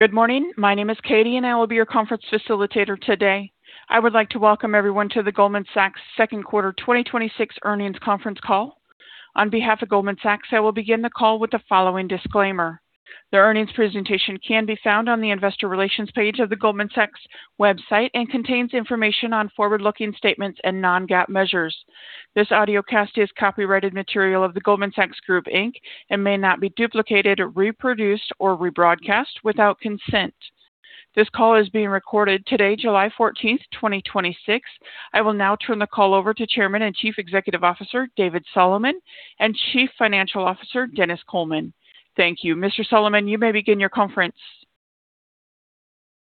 Good morning. My name is Katie and I will be your conference facilitator today. I would like to welcome everyone to the Goldman Sachs second quarter 2026 earnings conference call. On behalf of Goldman Sachs, I will begin the call with the following disclaimer. The earnings presentation can be found on the investor relations page of the Goldman Sachs website and contains information on forward-looking statements and non-GAAP measures. This audiocast is copyrighted material of The Goldman Sachs Group Inc., and may not be duplicated, reproduced or rebroadcast without consent. This call is being recorded today, July 14th, 2026. I will now turn the call over to Chairman and Chief Executive Officer, David Solomon, and Chief Financial Officer, Denis Coleman. Thank you. Mr. Solomon, you may begin your conference.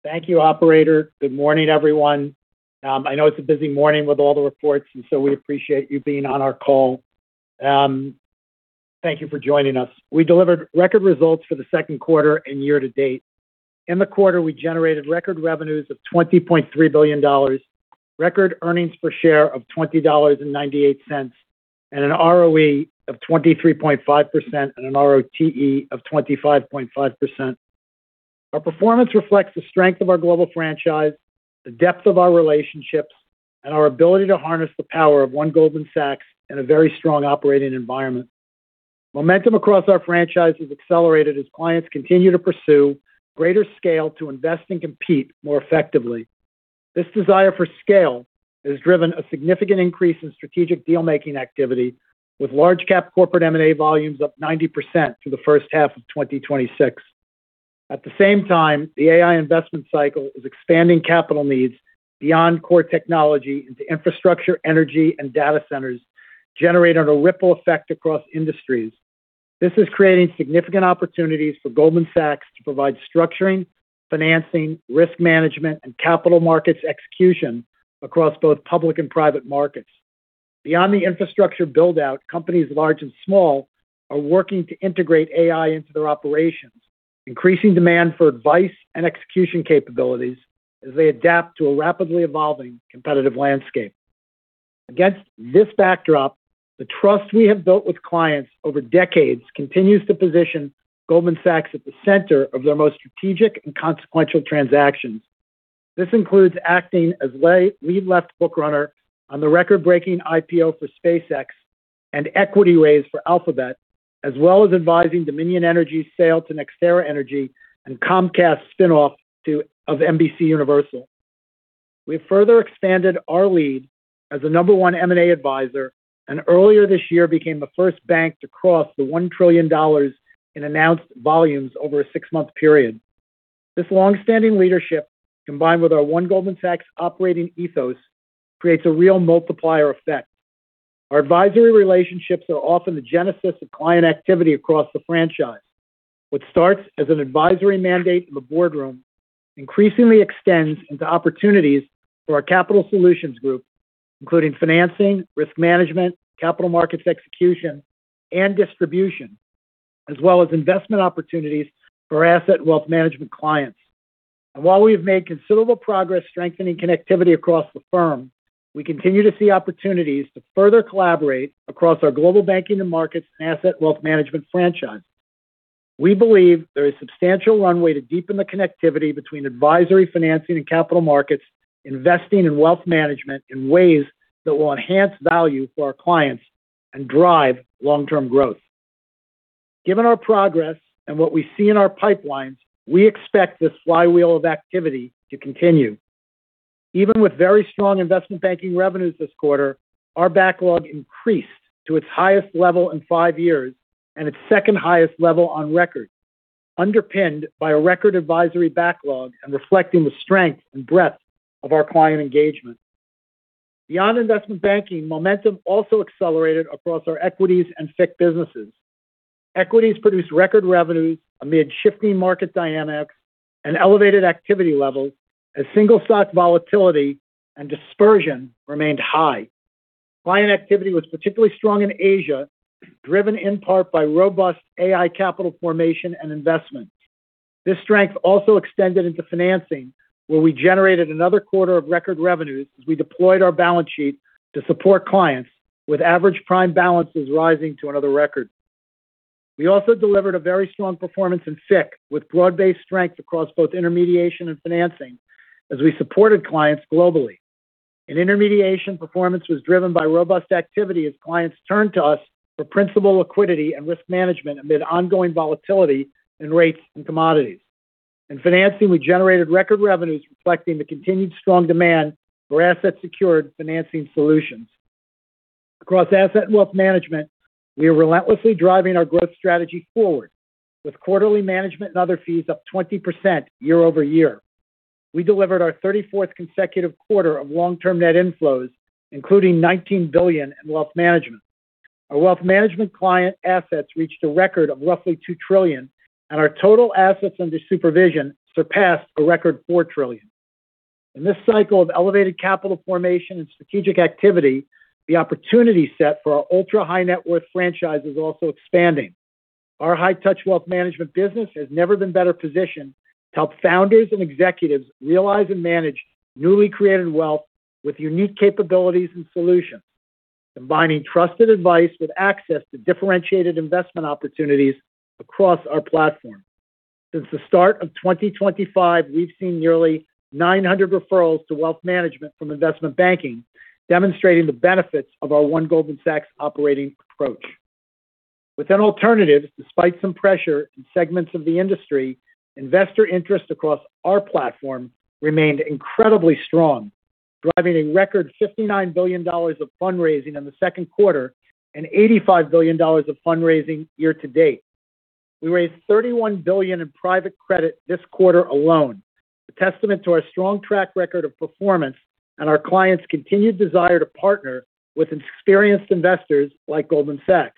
Thank you, operator. Good morning, everyone. I know it's a busy morning with all the reports. We appreciate you being on our call. Thank you for joining us. We delivered record results for the second quarter and year to date. In the quarter, we generated record revenues of $20.3 billion, record earnings per share of $20.98, and an ROE of 23.5% and an ROTE of 25.5%. Our performance reflects the strength of our global franchise, the depth of our relationships, and our ability to harness the power of One Goldman Sachs in a very strong operating environment. Momentum across our franchise has accelerated as clients continue to pursue greater scale to invest and compete more effectively. This desire for scale has driven a significant increase in strategic deal-making activity with large cap corporate M&A volumes up 90% through the first half of 2026. At the same time, the AI investment cycle is expanding capital needs beyond core technology into infrastructure, energy and data centers, generating a ripple effect across industries. This is creating significant opportunities for Goldman Sachs to provide structuring, financing, risk management, and capital markets execution across both public and private markets. Beyond the infrastructure buildout, companies large and small are working to integrate AI into their operations, increasing demand for advice and execution capabilities as they adapt to a rapidly evolving competitive landscape. Against this backdrop, the trust we have built with clients over decades continues to position Goldman Sachs at the center of their most strategic and consequential transactions. This includes acting as lead left bookrunner on the record-breaking IPO for SpaceX and equity raise for Alphabet, as well as advising Dominion Energy's sale to NextEra Energy and Comcast spinoff of NBCUniversal. We have further expanded our lead as the number one M&A advisor and earlier this year became the first bank to cross the $1 trillion in announced volumes over a six-month period. This longstanding leadership, combined with our One Goldman Sachs operating ethos, creates a real multiplier effect. Our advisory relationships are often the genesis of client activity across the franchise. What starts as an advisory mandate in the boardroom increasingly extends into opportunities for our Capital Solutions Group, including financing, risk management, capital markets execution, and distribution, as well as investment opportunities for Asset Wealth Management clients. While we have made considerable progress strengthening connectivity across the firm, we continue to see opportunities to further collaborate across our Global Banking & Markets and Asset Wealth Management franchise. We believe there is substantial runway to deepen the connectivity between advisory financing and capital markets, investing and wealth management in ways that will enhance value for our clients and drive long-term growth. Given our progress and what we see in our pipelines, we expect this flywheel of activity to continue. Even with very strong investment banking revenues this quarter, our backlog increased to its highest level in five years and its second highest level on record, underpinned by a record advisory backlog and reflecting the strength and breadth of our client engagement. Beyond investment banking, momentum also accelerated across our equities and FICC businesses. Equities produced record revenues amid shifting market dynamics and elevated activity levels as single stock volatility and dispersion remained high. Client activity was particularly strong in Asia, driven in part by robust AI capital formation and investment. This strength also extended into financing, where we generated another quarter of record revenues as we deployed our balance sheet to support clients with average prime balances rising to another record. We also delivered a very strong performance in FICC with broad-based strength across both intermediation and financing as we supported clients globally. In intermediation, performance was driven by robust activity as clients turned to us for principal liquidity and risk management amid ongoing volatility in rates and commodities. In financing, we generated record revenues reflecting the continued strong demand for asset secured financing solutions. Across Asset & Wealth Management, we are relentlessly driving our growth strategy forward with quarterly management and other fees up 20% year-over-year. We delivered our 34th consecutive quarter of long-term net inflows, including $19 billion in wealth management. Our wealth management client assets reached a record of roughly $2 trillion, and our total assets under supervision surpassed a record $4 trillion. In this cycle of elevated capital formation and strategic activity, the opportunity set for our ultra-high net worth franchise is also expanding. Our high touch wealth management business has never been better positioned to help founders and executives realize and manage newly created wealth with unique capabilities and solutions. Combining trusted advice with access to differentiated investment opportunities across our platform. Since the start of 2025, we've seen nearly 900 referrals to wealth management from investment banking, demonstrating the benefits of our One Goldman Sachs operating approach. Within alternatives, despite some pressure in segments of the industry, investor interest across our platform remained incredibly strong, driving a record $59 billion of fundraising in the second quarter and $85 billion of fundraising year to date. We raised $31 billion in private credit this quarter alone, a testament to our strong track record of performance and our clients' continued desire to partner with experienced investors like Goldman Sachs.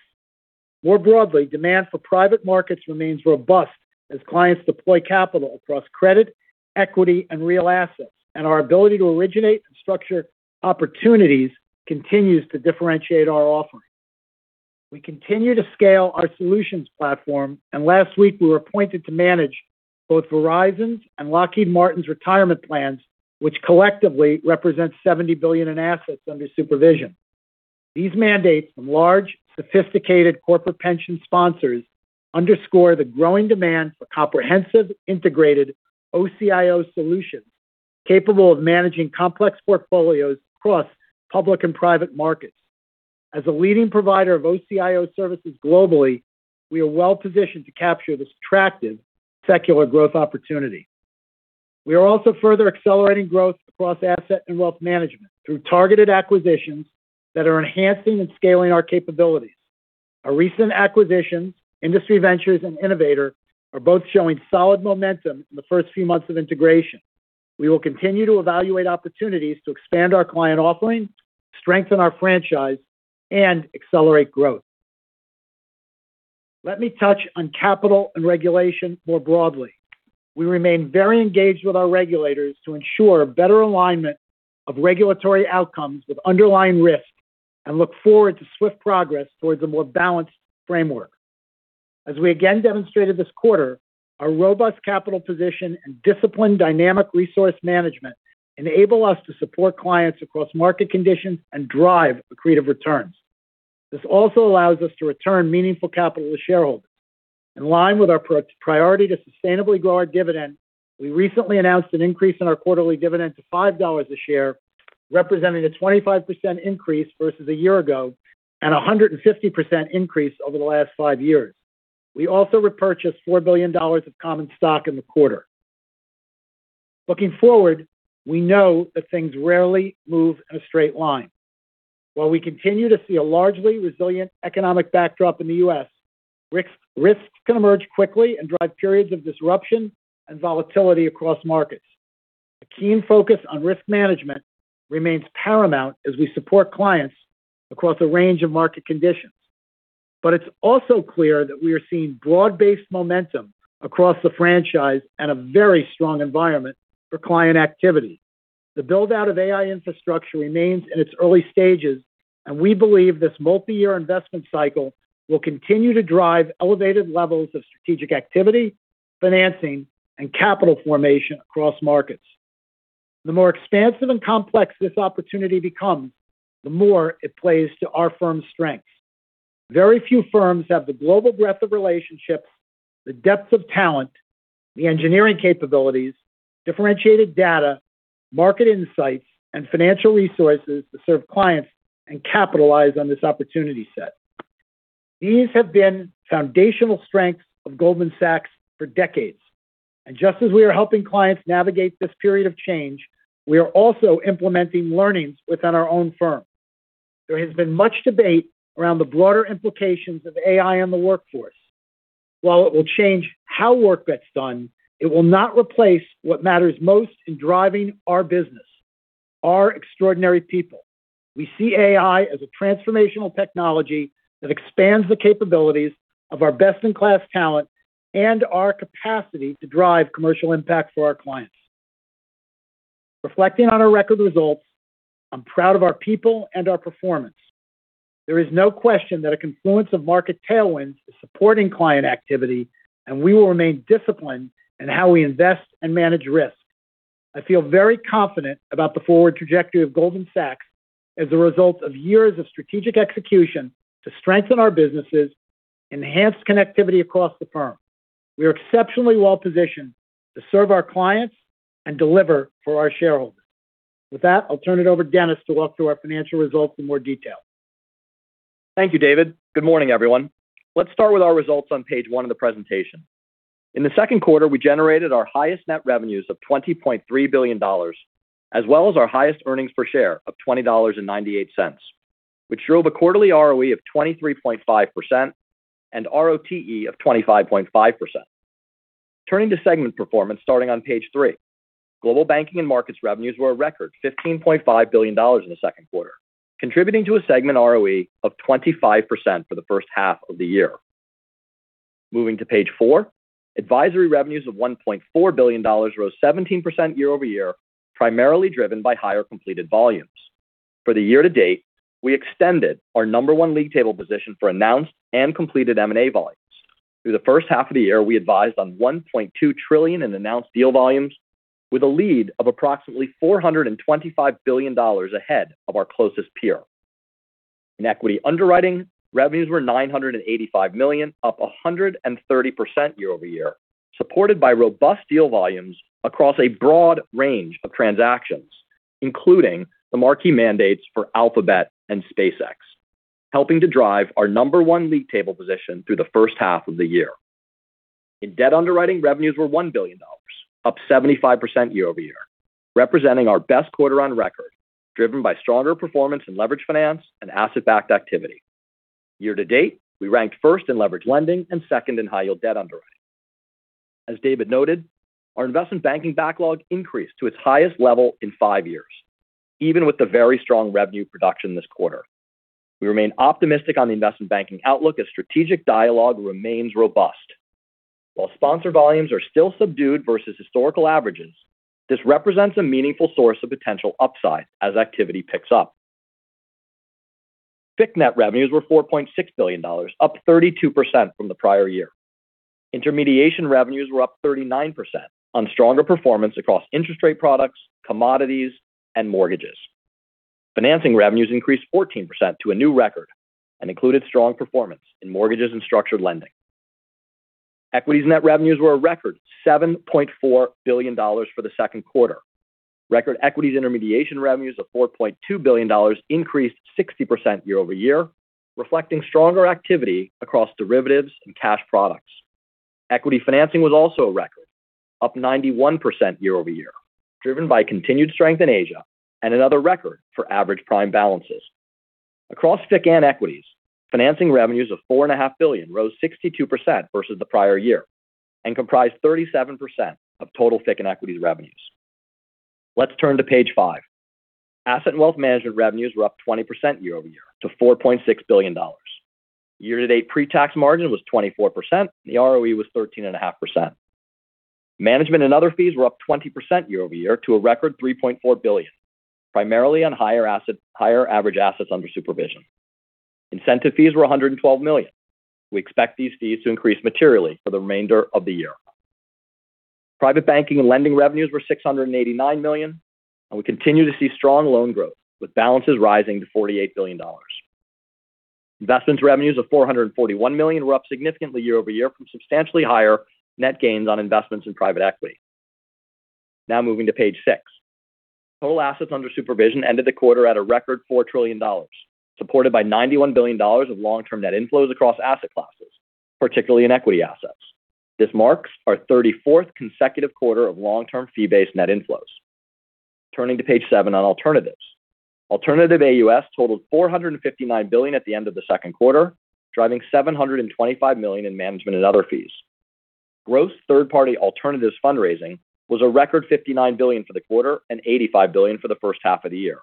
More broadly, demand for private markets remains robust as clients deploy capital across credit, equity, and real assets, and our ability to originate and structure opportunities continues to differentiate our offering. We continue to scale our solutions platform, and last week we were appointed to manage both Verizon's and Lockheed Martin's retirement plans, which collectively represent $70 billion in assets under supervision. These mandates from large, sophisticated corporate pension sponsors underscore the growing demand for comprehensive, integrated OCIO solutions capable of managing complex portfolios across public and private markets. As a leading provider of OCIO services globally, we are well-positioned to capture this attractive secular growth opportunity. We are also further accelerating growth across Asset & Wealth Management through targeted acquisitions that are enhancing and scaling our capabilities. Our recent acquisitions, Industry Ventures and Innovator, are both showing solid momentum in the first few months of integration. We will continue to evaluate opportunities to expand our client offering, strengthen our franchise, and accelerate growth. Let me touch on capital and regulation more broadly. We remain very engaged with our regulators to ensure better alignment of regulatory outcomes with underlying risk and look forward to swift progress towards a more balanced framework. As we again demonstrated this quarter, our robust capital position and disciplined dynamic resource management enable us to support clients across market conditions and drive accretive returns. This also allows us to return meaningful capital to shareholders. In line with our priority to sustainably grow our dividend, we recently announced an increase in our quarterly dividend to $5 a share, representing a 25% increase versus a year ago and 150% increase over the last five years. We also repurchased $4 billion of common stock in the quarter. Looking forward, we know that things rarely move in a straight line. We continue to see a largely resilient economic backdrop in the U.S., risks can emerge quickly and drive periods of disruption and volatility across markets. A keen focus on risk management remains paramount as we support clients across a range of market conditions. It's also clear that we are seeing broad-based momentum across the franchise and a very strong environment for client activity. The build-out of AI infrastructure remains in its early stages. We believe this multi-year investment cycle will continue to drive elevated levels of strategic activity, financing, and capital formation across markets. The more expansive and complex this opportunity becomes, the more it plays to our firm's strengths. Very few firms have the global breadth of relationships, the depth of talent, the engineering capabilities, differentiated data, market insights, and financial resources to serve clients and capitalize on this opportunity set. These have been foundational strengths of Goldman Sachs for decades. Just as we are helping clients navigate this period of change, we are also implementing learnings within our own firm. There has been much debate around the broader implications of AI on the workforce. It will change how work gets done, it will not replace what matters most in driving our business, our extraordinary people. We see AI as a transformational technology that expands the capabilities of our best-in-class talent. Our capacity to drive commercial impact for our clients. Reflecting on our record results, I'm proud of our people and our performance. There is no question that a confluence of market tailwinds is supporting client activity. We will remain disciplined in how we invest and manage risk. I feel very confident about the forward trajectory of Goldman Sachs as a result of years of strategic execution to strengthen our businesses, enhance connectivity across the firm. We are exceptionally well-positioned to serve our clients and deliver for our shareholders. With that, I'll turn it over to Denis to walk through our financial results in more detail. Thank you, David. Good morning, everyone. Let's start with our results on page one of the presentation. In the second quarter, we generated our highest net revenues of $20.3 billion, as well as our highest earnings per share of $20.98, which drove a quarterly ROE of 23.5% and ROTE of 25.5%. Turning to segment performance, starting on page three. Global Banking & Markets revenues were a record $15.5 billion in the second quarter, contributing to a segment ROE of 25% for the first half of the year. Moving to page four, advisory revenues of $1.4 billion rose 17% year-over-year, primarily driven by higher completed volumes. For the year to date, we extended our number one league table position for announced and completed M&A volume. Through the first half of the year, we advised on $1.2 trillion in announced deal volumes with a lead of approximately $425 billion ahead of our closest peer. In equity underwriting, revenues were $985 million, up 130% year-over-year, supported by robust deal volumes across a broad range of transactions, including the marquee mandates for Alphabet and SpaceX, helping to drive our number one league table position through the first half of the year. In debt underwriting, revenues were $1 billion, up 75% year-over-year, representing our best quarter on record, driven by stronger performance in leveraged finance and asset-backed activity. Year to date, we ranked first in leveraged lending and second in high-yield debt underwriting. As David noted, our investment banking backlog increased to its highest level in five years, even with the very strong revenue production this quarter. We remain optimistic on the investment banking outlook as strategic dialogue remains robust. While sponsor volumes are still subdued versus historical averages, this represents a meaningful source of potential upside as activity picks up. FICC net revenues were $4.6 billion, up 32% from the prior year. Intermediation revenues were up 39% on stronger performance across interest rate products, commodities, and mortgages. Financing revenues increased 14% to a new record and included strong performance in mortgages and structured lending. Equities net revenues were a record $7.4 billion for the second quarter. Record equities intermediation revenues of $4.2 billion increased 60% year-over-year, reflecting stronger activity across derivatives and cash products. Equity financing was also a record, up 91% year-over-year, driven by continued strength in Asia and another record for average prime balances. Across FICC and equities, financing revenues of $4.5 billion rose 62% versus the prior year and comprised 37% of total FICC and equities revenues. Let's turn to page five. Asset & Wealth Management revenues were up 20% year-over-year to $4.6 billion. Year-to-date pre-tax margin was 24%, and the ROE was 13.5%. Management and other fees were up 20% year-over-year to a record $3.4 billion, primarily on higher average assets under supervision. Incentive fees were $112 million. We expect these fees to increase materially for the remainder of the year. Private banking and lending revenues were $689 million, and we continue to see strong loan growth with balances rising to $48 billion. Investments revenues of $441 million were up significantly year-over-year from substantially higher net gains on investments in private equity. Now moving to page six. Total assets under supervision ended the quarter at a record $4 trillion, supported by $91 billion of long-term net inflows across asset classes, particularly in equity assets. This marks our 34th consecutive quarter of long-term fee-based net inflows. Turning to page seven on alternatives. Alternative AUM totaled $459 billion at the end of the second quarter, driving $725 million in management and other fees. Gross third-party alternatives fundraising was a record $59 billion for the quarter and $85 billion for the first half of the year.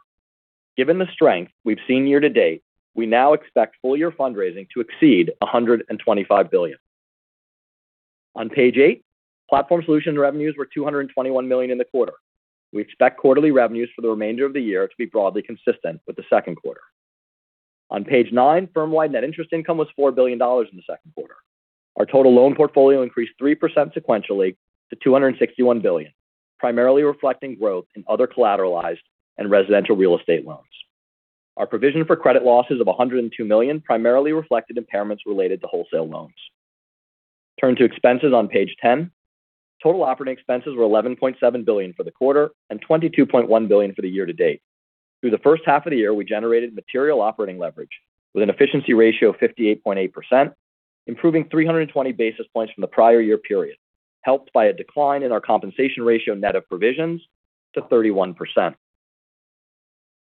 Given the strength we've seen year to date, we now expect full-year fundraising to exceed $125 billion. On page eight, Platform Solutions revenues were $221 million in the quarter. We expect quarterly revenues for the remainder of the year to be broadly consistent with the second quarter. On page nine, firm-wide net interest income was $4 billion in the second quarter. Our total loan portfolio increased 3% sequentially to $261 billion, primarily reflecting growth in other collateralized and residential real estate loans. Our provision for credit losses of $102 million primarily reflected impairments related to wholesale loans. Turn to expenses on page 10. Total operating expenses were $11.7 billion for the quarter and $22.1 billion for the year to date. Through the first half of the year, we generated material operating leverage with an efficiency ratio of 58.8%, improving 320 basis points from the prior year period, helped by a decline in our compensation ratio net of provisions to 31%.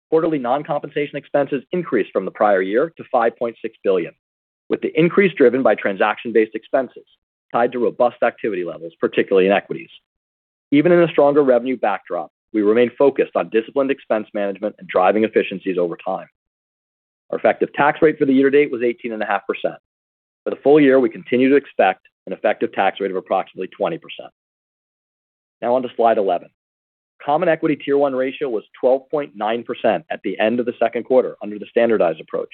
Quarterly non-compensation expenses increased from the prior year to $5.6 billion, with the increase driven by transaction-based expenses tied to robust activity levels, particularly in equities. Even in a stronger revenue backdrop, we remain focused on disciplined expense management and driving efficiencies over time. Our effective tax rate for the year to date was 18.5%. For the full year, we continue to expect an effective tax rate of approximately 20%. Now on to slide 11. Common equity Tier 1 ratio was 12.9% at the end of the second quarter under the standardized approach,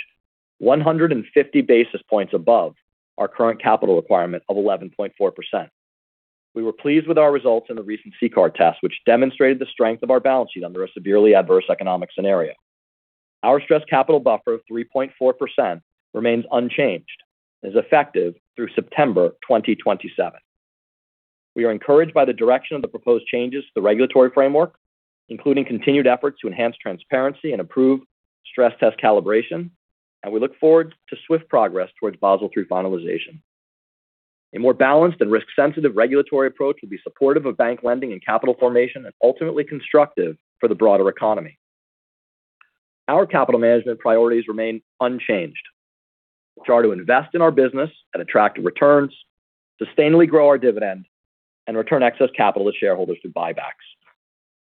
150 basis points above our current capital requirement of 11.4%. We were pleased with our results in the recent CCAR test, which demonstrated the strength of our balance sheet under a severely adverse economic scenario. Our stress capital buffer of 3.4% remains unchanged and is effective through September 2027. We are encouraged by the direction of the proposed changes to the regulatory framework, including continued efforts to enhance transparency and improve stress test calibration. We look forward to swift progress towards Basel III finalization. A more balanced and risk-sensitive regulatory approach will be supportive of bank lending and capital formation and ultimately constructive for the broader economy. Our capital management priorities remain unchanged, which are to invest in our business at attractive returns, sustainably grow our dividend, and return excess capital to shareholders through buybacks.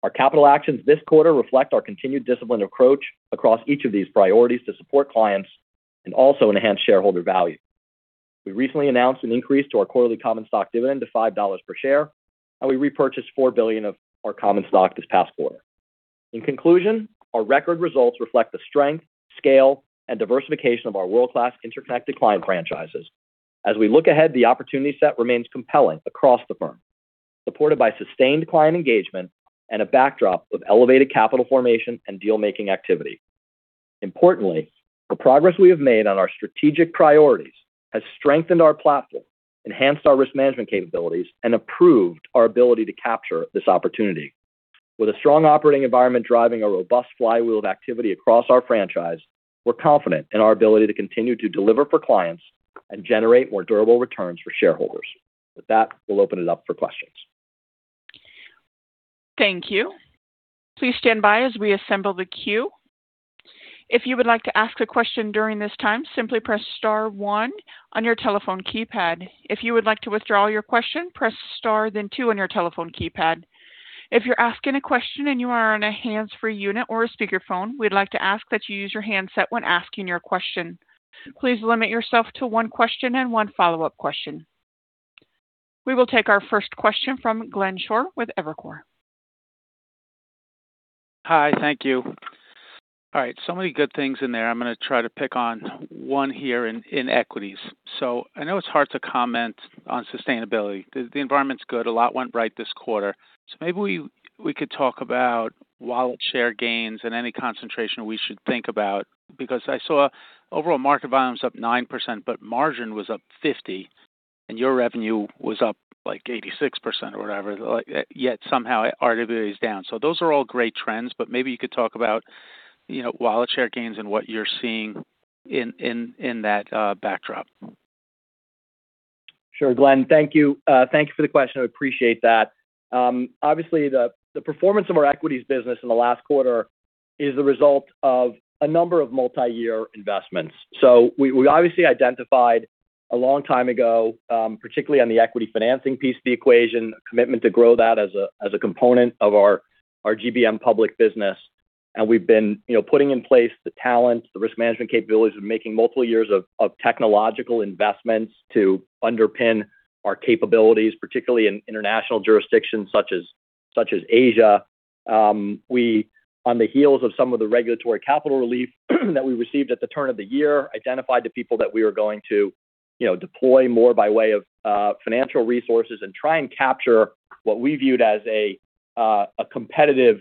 Our capital actions this quarter reflect our continued disciplined approach across each of these priorities to support clients and also enhance shareholder value. We recently announced an increase to our quarterly common stock dividend to $5 per share. We repurchased $4 billion of our common stock this past quarter. In conclusion, our record results reflect the strength, scale, and diversification of our world-class interconnected client franchises. As we look ahead, the opportunity set remains compelling across the firm, supported by sustained client engagement and a backdrop of elevated capital formation and deal-making activity. Importantly, the progress we have made on our strategic priorities has strengthened our platform, enhanced our risk management capabilities, and improved our ability to capture this opportunity. With a strong operating environment driving a robust flywheel of activity across our franchise, we're confident in our ability to continue to deliver for clients and generate more durable returns for shareholders. With that, we'll open it up for questions. Thank you. Please stand by as we assemble the queue. If you would like to ask a question during this time, simply press star one on your telephone keypad. If you would like to withdraw your question, press star then two on your telephone keypad. If you're asking a question and you are on a hands-free unit or a speakerphone, we'd like to ask that you use your handset when asking your question. Please limit yourself to one question and one follow-up question. We will take our first question from Glenn Schorr with Evercore. Hi. Thank you. All right, many good things in there. I'm going to try to pick on one here in equities. I know it's hard to comment on sustainability. The environment's good. A lot went right this quarter. Maybe we could talk about wallet share gains and any concentration we should think about, because I saw overall market volume's up 9%, but margin was up 50%, and your revenue was up like 86% or whatever. Yet somehow RWA is down. Those are all great trends, but maybe you could talk about wallet share gains and what you're seeing in that backdrop. Sure, Glenn. Thank you. Thank you for the question. I appreciate that. Obviously, the performance of our equities business in the last quarter is the result of a number of multi-year investments. We obviously identified a long time ago, particularly on the equity financing piece of the equation, a commitment to grow that as a component of our GBM public business, and we've been putting in place the talent, the risk management capabilities. We're making multiple years of technological investments to underpin our capabilities, particularly in international jurisdictions such as Asia. We, on the heels of some of the regulatory capital relief that we received at the turn of the year, identified the people that we were going to deploy more by way of financial resources and try and capture what we viewed as a competitive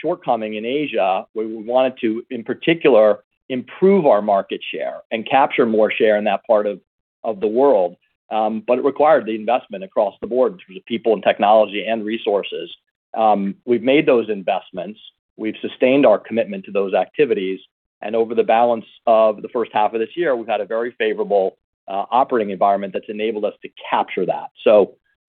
shortcoming in Asia, where we wanted to, in particular, improve our market share and capture more share in that part of the world. It required the investment across the board in terms of people and technology and resources. We've made those investments. We've sustained our commitment to those activities, and over the balance of the first half of this year, we've had a very favorable operating environment that's enabled us to capture that.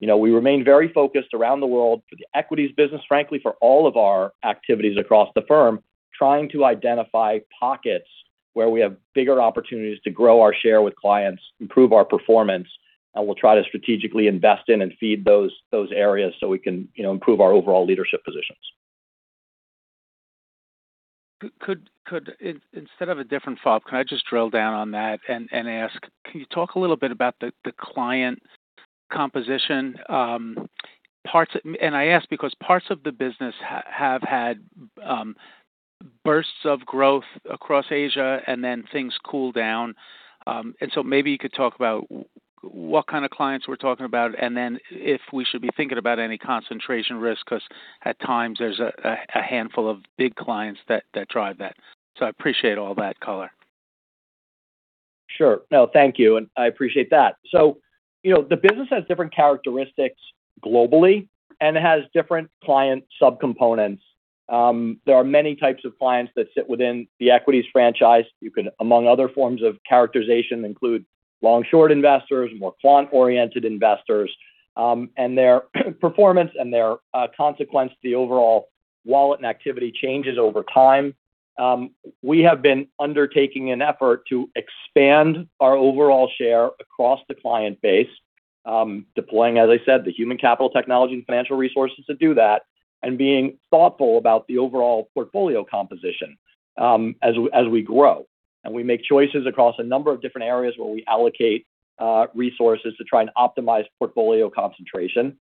We remain very focused around the world for the equities business, frankly, for all of our activities across the firm, trying to identify pockets where we have bigger opportunities to grow our share with clients, improve our performance, and we'll try to strategically invest in and feed those areas so we can improve our overall leadership positions. Instead of a different follow-up, can I just drill down on that and ask, can you talk a little bit about the client composition? I ask because parts of the business have had bursts of growth across Asia, and then things cool down. Maybe you could talk about what kind of clients we're talking about, and then if we should be thinking about any concentration risk, because at times there's a handful of big clients that drive that. I appreciate all that color. Sure. No, thank you, and I appreciate that. The business has different characteristics globally, it has different client sub-components. There are many types of clients that sit within the equities franchise. You could, among other forms of characterization, include long-short investors, more quant-oriented investors, and their performance and their consequence to the overall wallet and activity changes over time. We have been undertaking an effort to expand our overall share across the client base, deploying, as I said, the human capital technology and financial resources to do that, and being thoughtful about the overall portfolio composition as we grow. We make choices across a number of different areas where we allocate resources to try and optimize portfolio concentration.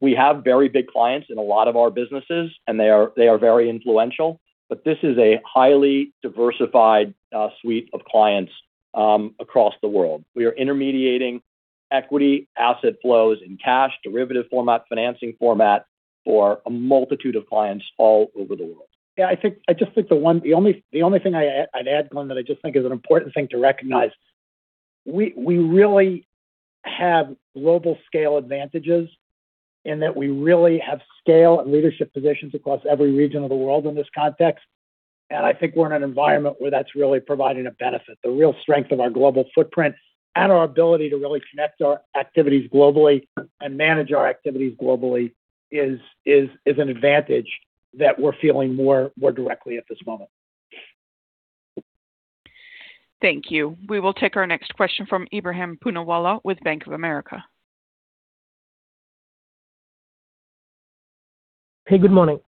We have very big clients in a lot of our businesses, they are very influential, this is a highly diversified suite of clients across the world. We are intermediating equity asset flows in cash, derivative format, financing format for a multitude of clients all over the world. Yeah, I just think the only thing I'd add, Glenn, that I just think is an important thing to recognize, we really have global scale advantages in that we really have scale and leadership positions across every region of the world in this context. I think we're in an environment where that's really providing a benefit. The real strength of our global footprint and our ability to really connect our activities globally and manage our activities globally is an advantage that we're feeling more directly at this moment. Thank you. We will take our next question from Ebrahim Poonawala with Bank of America. Hey, good morning.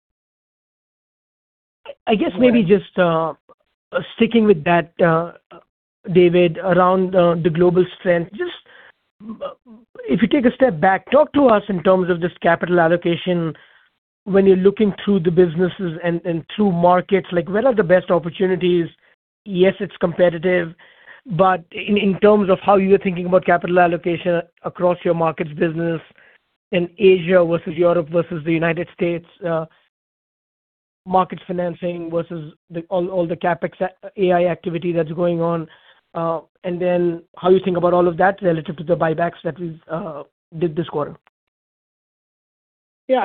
I guess maybe just sticking with that, David, around the global strength, just If you take a step back, talk to us in terms of this capital allocation when you're looking through the businesses and through markets, where are the best opportunities? Yes, it's competitive, but in terms of how you're thinking about capital allocation across your markets business in Asia versus Europe versus the United States, market financing versus all the CapEx AI activity that's going on, and then how you think about all of that relative to the buybacks that we did this quarter. Yeah.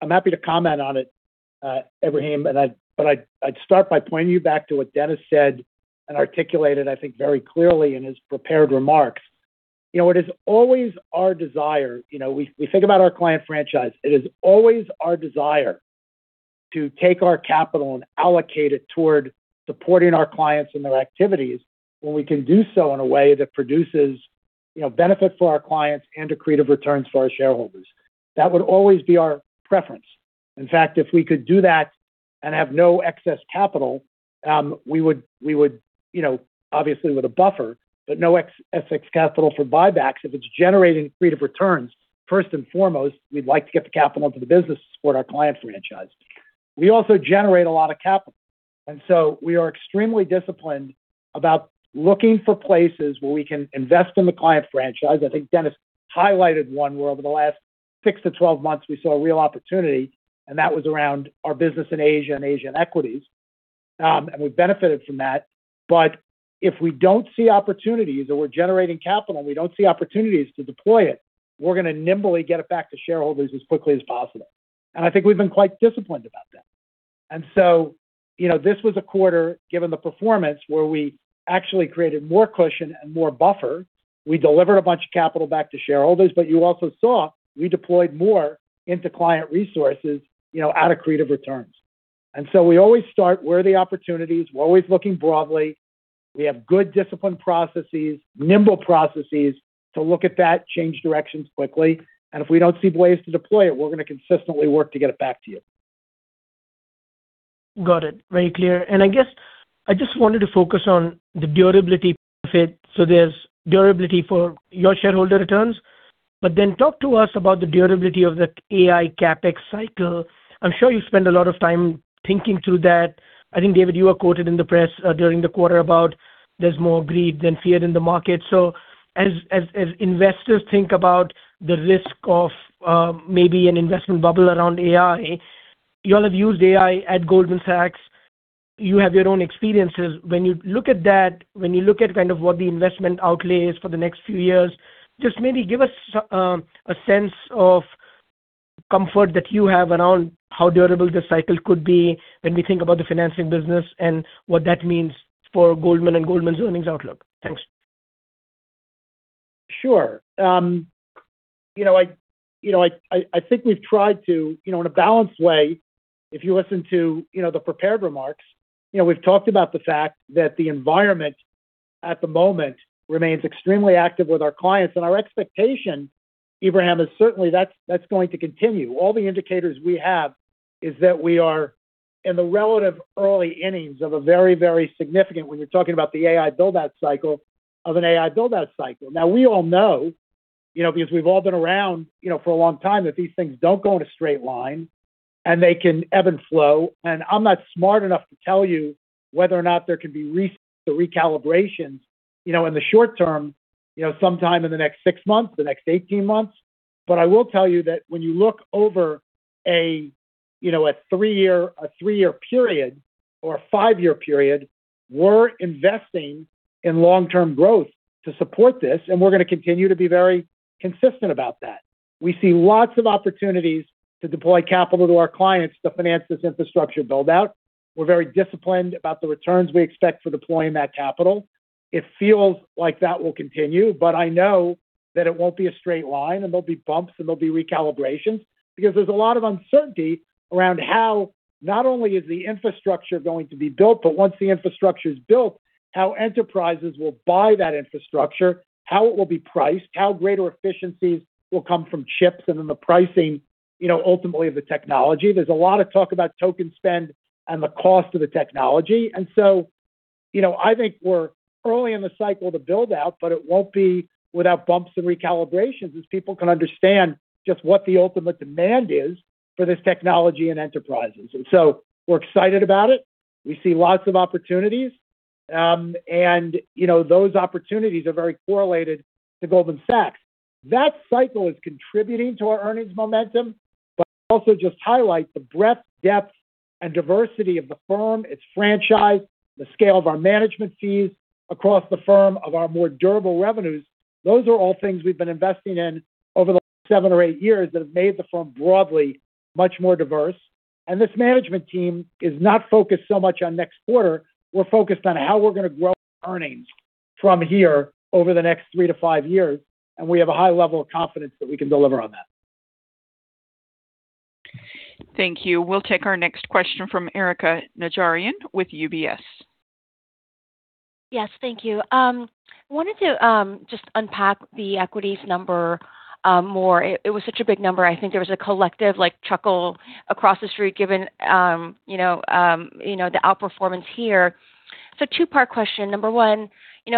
I'm happy to comment on it, Ebrahim, but I'd start by pointing you back to what Denis said and articulated, I think, very clearly in his prepared remarks. It is always our desire, we think about our client franchise. It is always our desire to take our capital and allocate it toward supporting our clients and their activities when we can do so in a way that produces benefit for our clients and accretive returns for our shareholders. That would always be our preference. In fact, if we could do that and have no excess capital, we would, obviously with a buffer, but no excess capital for buybacks if it's generating accretive returns. First and foremost, we'd like to get the capital into the business to support our client franchise. We also generate a lot of capital, we are extremely disciplined about looking for places where we can invest in the client franchise. I think Denis highlighted one where over the last 6-12 months, we saw a real opportunity, and that was around our business in Asia and Asian equities. We've benefited from that. If we don't see opportunities or we're generating capital and we don't see opportunities to deploy it, we're going to nimbly get it back to shareholders as quickly as possible. I think we've been quite disciplined about that. This was a quarter, given the performance, where we actually created more cushion and more buffer. We delivered a bunch of capital back to shareholders, but you also saw we deployed more into client resources out of accretive returns. We always start where are the opportunities. We're always looking broadly. We have good discipline processes, nimble processes to look at that, change directions quickly, if we don't see ways to deploy it, we're going to consistently work to get it back to you. Got it. Very clear. I guess I just wanted to focus on the durability benefit. There's durability for your shareholder returns. Talk to us about the durability of the AI CapEx cycle. I'm sure you spend a lot of time thinking through that. I think, David, you were quoted in the press during the quarter about there's more greed than fear in the market. As investors think about the risk of maybe an investment bubble around AI, you all have used AI at Goldman Sachs. You have your own experiences. When you look at that, when you look at kind of what the investment outlay is for the next few years, just maybe give us a sense of comfort that you have around how durable this cycle could be when we think about the financing business and what that means for Goldman and Goldman's earnings outlook. Thanks. Sure. I think we've tried to, in a balanced way, if you listen to the prepared remarks, we've talked about the fact that the environment at the moment remains extremely active with our clients. Our expectation, Ebrahim, is certainly that's going to continue. All the indicators we have is that we are in the relative early innings of a very, very significant, when you're talking about the AI build-out cycle, of an AI build-out cycle. We all know, because we've all been around for a long time, that these things don't go in a straight line, and they can ebb and flow. I'm not smart enough to tell you whether or not there can be recalibrations, in the short term, sometime in the next six months, the next 18 months. I will tell you that when you look over a three-year period or a five-year period, we're investing in long-term growth to support this. We're going to continue to be very consistent about that. We see lots of opportunities to deploy capital to our clients to finance this infrastructure build-out. We're very disciplined about the returns we expect for deploying that capital. It feels like that will continue, I know that it won't be a straight line, and there'll be bumps and there'll be recalibrations because there's a lot of uncertainty around how not only is the infrastructure going to be built, but once the infrastructure is built, how enterprises will buy that infrastructure, how it will be priced, how greater efficiencies will come from chips, then the pricing, ultimately of the technology. There's a lot of talk about token spend and the cost of the technology. I think we're early in the cycle to build out, but it won't be without bumps and recalibrations as people can understand just what the ultimate demand is for this technology and enterprises. We're excited about it. We see lots of opportunities. Those opportunities are very correlated to Goldman Sachs. That cycle is contributing to our earnings momentum, but also just highlights the breadth, depth and diversity of the firm, its franchise, the scale of our management fees across the firm of our more durable revenues. Those are all things we've been investing in over the last seven or eight years that have made the firm broadly much more diverse. This management team is not focused so much on next quarter. We're focused on how we're going to grow earnings from here over the next three to five years. We have a high level of confidence that we can deliver on that. Thank you. We'll take our next question from Erika Najarian with UBS. Yes. Thank you. I wanted to just unpack the equities number more. It was such a big number. I think there was a collective chuckle across the street given the outperformance here. Two-part question. Number one,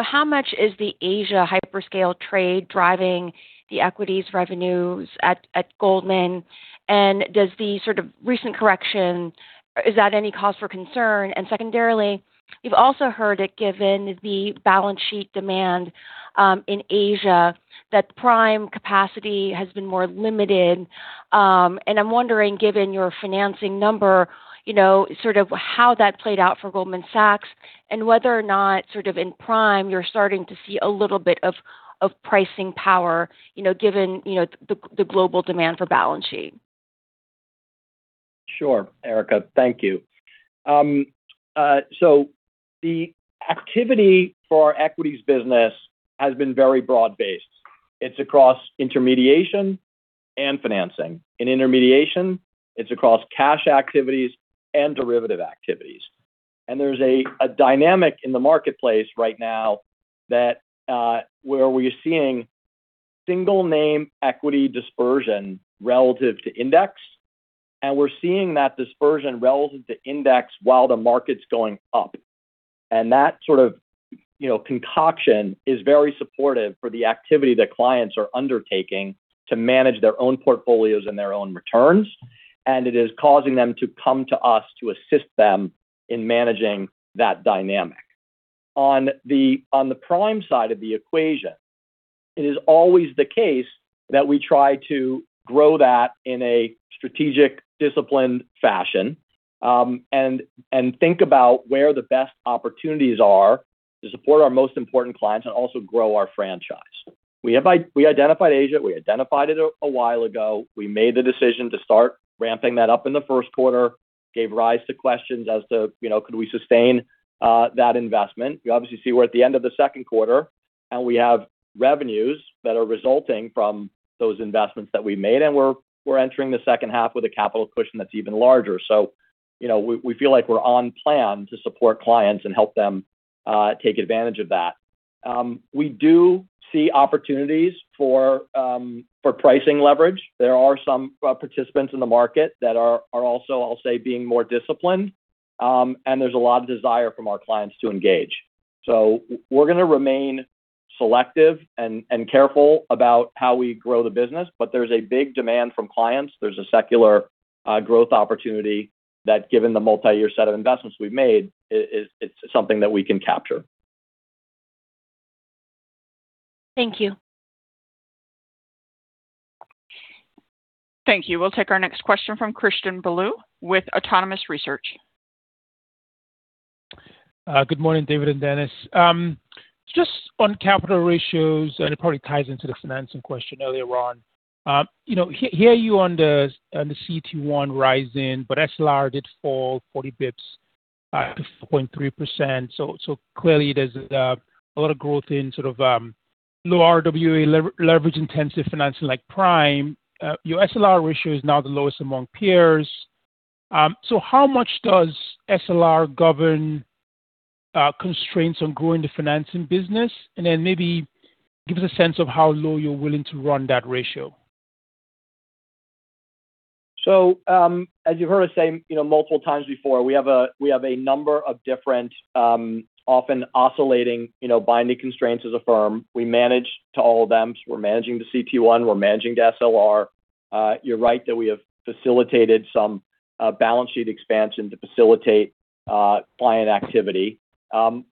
how much is the Asia hyperscale trade driving the equities revenues at Goldman? Does the recent correction, is that any cause for concern? Secondarily, we've also heard that given the balance sheet demand, in Asia, that prime capacity has been more limited. I'm wondering, given your financing number, how that played out for Goldman Sachs and whether or not in prime you're starting to see a little bit of pricing power, given the global demand for balance sheet. Sure, Erika. Thank you. The activity for our equities business has been very broad-based. It's across intermediation and financing. In intermediation, it's across cash activities and derivative activities. There's a dynamic in the marketplace right now where we're seeing single name equity dispersion relative to index, and we're seeing that dispersion relative to index while the market's going up. That sort of concoction is very supportive for the activity that clients are undertaking to manage their own portfolios and their own returns. It is causing them to come to us to assist them in managing that dynamic. On the prime side of the equation, it is always the case that we try to grow that in a strategic, disciplined fashion, and think about where the best opportunities are to support our most important clients and also grow our franchise. We identified Asia. We identified it a while ago. We made the decision to start ramping that up in the first quarter, gave rise to questions as to could we sustain that investment. You obviously see we're at the end of the second quarter, and we have revenues that are resulting from those investments that we made, and we're entering the second half with a capital cushion that's even larger. We feel like we're on plan to support clients and help them take advantage of that. We do see opportunities for pricing leverage. There are some participants in the market that are also, I'll say, being more disciplined, and there's a lot of desire from our clients to engage. We're going to remain selective and careful about how we grow the business. There's a big demand from clients. There's a secular growth opportunity that, given the multi-year set of investments we've made, it's something that we can capture. Thank you. Thank you. We'll take our next question from Christian Bolu with Autonomous Research. Good morning, David and Denis. Just on capital ratios, it probably ties into the financing question earlier on. Hear you on the CET1 rising, SLR did fall 40 basis points to 4.3%. Clearly there's a lot of growth in sort of low RWA leverage-intensive financing like prime. Your SLR ratio is now the lowest among peers. How much does SLR govern constraints on growing the financing business? Then maybe give us a sense of how low you're willing to run that ratio. As you've heard us say multiple times before, we have a number of different, often oscillating, binding constraints as a firm. We manage to all of them. We're managing the CET1, we're managing the SLR. You're right that we have facilitated some balance sheet expansion to facilitate client activity.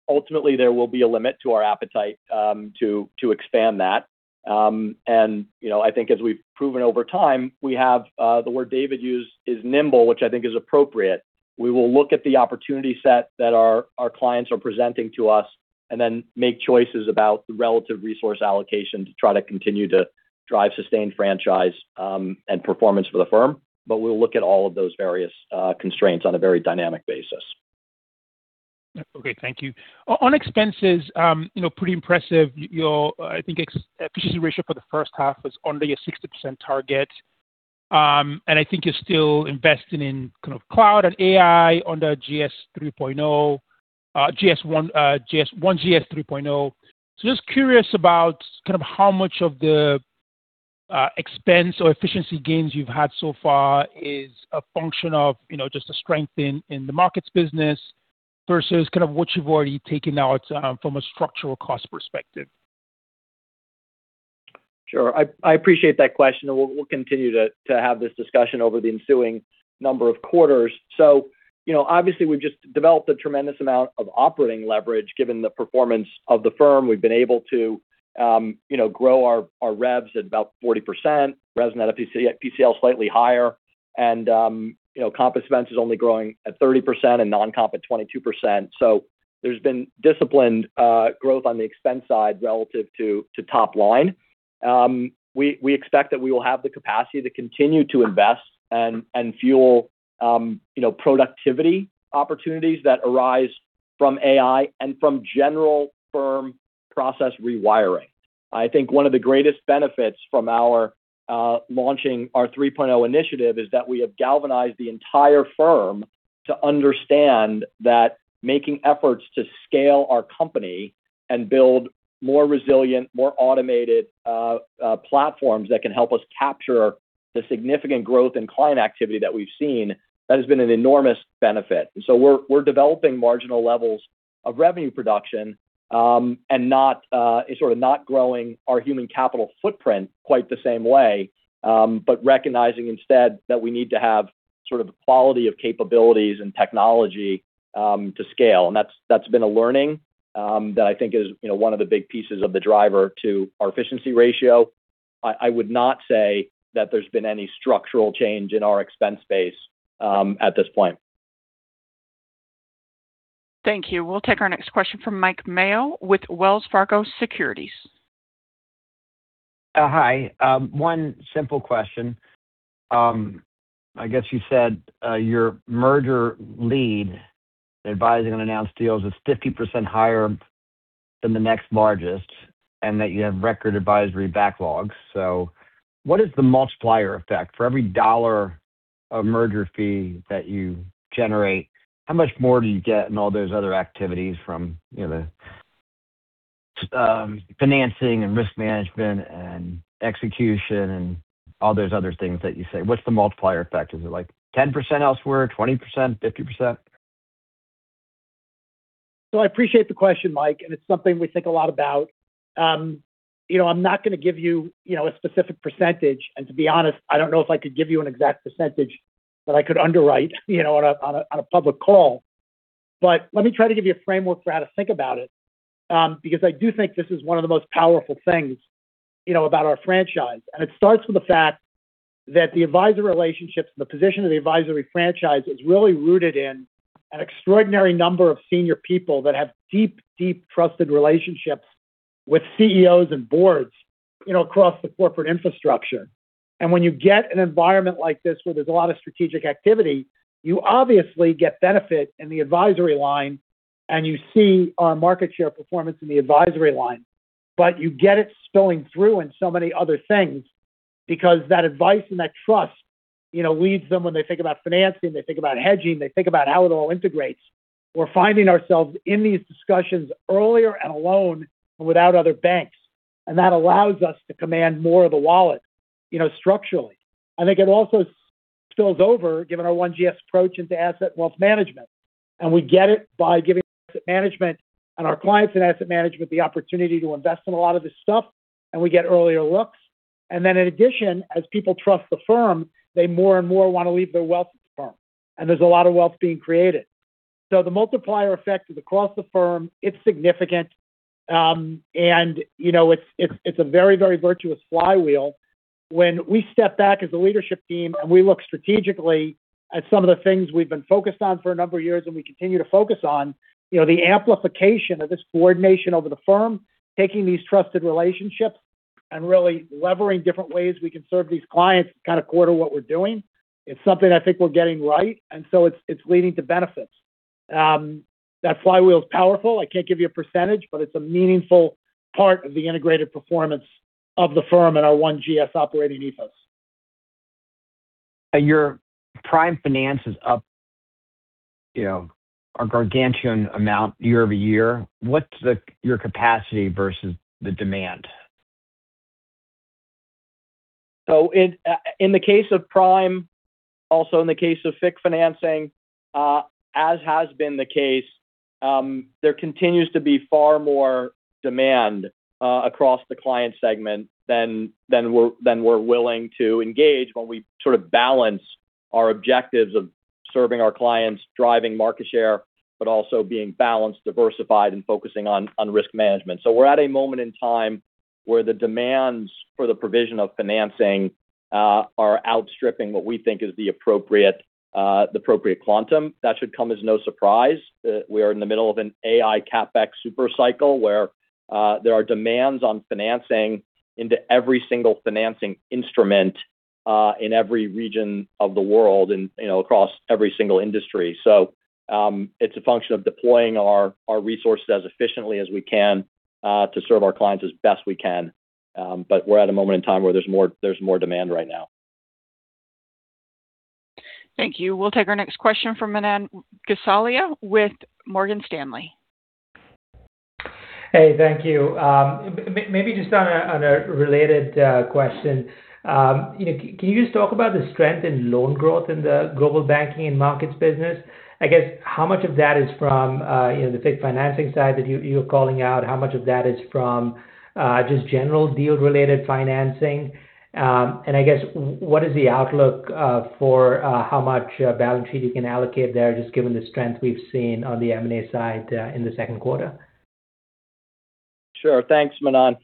Ultimately, there will be a limit to our appetite to expand that. I think as we've proven over time, we have the word David used is nimble, which I think is appropriate. We will look at the opportunity set that our clients are presenting to us and then make choices about the relative resource allocation to try to continue to drive sustained franchise, and performance for the firm. We'll look at all of those various constraints on a very dynamic basis. Okay. Thank you. On expenses, pretty impressive. Your, I think, efficiency ratio for the first half was under your 60% target. I think you're still investing in kind of cloud and AI under One GS 3.0. Just curious about how much of the expense or efficiency gains you've had so far is a function of just a strength in the markets business versus what you've already taken out from a structural cost perspective. Sure. I appreciate that question, we'll continue to have this discussion over the ensuing number of quarters. Obviously we've just developed a tremendous amount of operating leverage, given the performance of the firm. We've been able to grow our revs at about 40%, revs net of PCL slightly higher. Comp expense is only growing at 30% and non-comp at 22%. There's been disciplined growth on the expense side relative to top line. We expect that we will have the capacity to continue to invest and fuel productivity opportunities that arise from AI and from general firm process rewiring. I think one of the greatest benefits from our launching our 3.0 Initiative is that we have galvanized the entire firm to understand that making efforts to scale our company and build more resilient, more automated platforms that can help us capture The significant growth in client activity that we've seen, that has been an enormous benefit. We're developing marginal levels of revenue production, and sort of not growing our human capital footprint quite the same way, but recognizing instead that we need to have sort of the quality of capabilities and technology to scale. That's been a learning that I think is one of the big pieces of the driver to our efficiency ratio. I would not say that there's been any structural change in our expense base at this point. Thank you. We'll take our next question from Mike Mayo with Wells Fargo Securities. Hi. One simple question. I guess you said your merger lead in advising on announced deals is 50% higher than the next largest, and that you have record advisory backlogs. What is the multiplier effect? For every dollar of merger fee that you generate, how much more do you get in all those other activities from the financing and risk management and execution and all those other things that you say? What's the multiplier effect? Is it like 10% elsewhere, 20%, 50%? I appreciate the question, Mike, it's something we think a lot about. I'm not going to give you a specific percentage, and to be honest, I don't know if I could give you an exact percentage that I could underwrite on a public call. Let me try to give you a framework for how to think about it, because I do think this is one of the most powerful things about our franchise. It starts with the fact that the advisor relationships and the position of the advisory franchise is really rooted in an extraordinary number of senior people that have deep, deep trusted relationships with CEOs and boards across the corporate infrastructure. When you get an environment like this where there's a lot of strategic activity, you obviously get benefit in the advisory line, and you see our market share performance in the advisory line. You get it spilling through in so many other things because that advice and that trust leads them when they think about financing, they think about hedging, they think about how it all integrates. We're finding ourselves in these discussions earlier and alone and without other banks, that allows us to command more of the wallet structurally. I think it also spills over given our One GS approach into asset wealth management. We get it by giving asset management and our clients in asset management the opportunity to invest in a lot of this stuff, and we get earlier looks. In addition, as people trust the firm, they more and more want to leave their wealth with the firm, and there's a lot of wealth being created. The multiplier effect is across the firm. It's significant. It's a very, very virtuous flywheel. When we step back as a leadership team and we look strategically at some of the things we've been focused on for a number of years and we continue to focus on, the amplification of this coordination over the firm, taking these trusted relationships and really levering different ways we can serve these clients is kind of core to what we're doing. It's something I think we're getting right, so it's leading to benefits. That flywheel is powerful. I can't give you a percentage, but it's a meaningful part of the integrated performance of the firm and our One GS operating ethos. Your prime finance is up a gargantuan amount year-over-year. What's your capacity versus the demand? In the case of prime, also in the case of FICC financing, as has been the case, there continues to be far more demand across the client segment than we're willing to engage when we sort of balance our objectives of serving our clients, driving market share, also being balanced, diversified, and focusing on risk management. We're at a moment in time where the demands for the provision of financing are outstripping what we think is the appropriate quantum. That should come as no surprise. We are in the middle of an AI CapEx super cycle where there are demands on financing into every single financing instrument, in every region of the world and across every single industry. It's a function of deploying our resources as efficiently as we can, to serve our clients as best we can. We're at a moment in time where there's more demand right now. Thank you. We'll take our next question from Manan Gosalia with Morgan Stanley. Hey, thank you. Maybe just on a related question. Can you just talk about the strength in loan growth in the Global Banking & Markets business? I guess how much of that is from the FICC financing side that you're calling out? How much of that is from just general deal-related financing? And I guess what is the outlook for how much balance sheet you can allocate there, just given the strength we've seen on the M&A side in the second quarter? Sure. Thanks, Manan.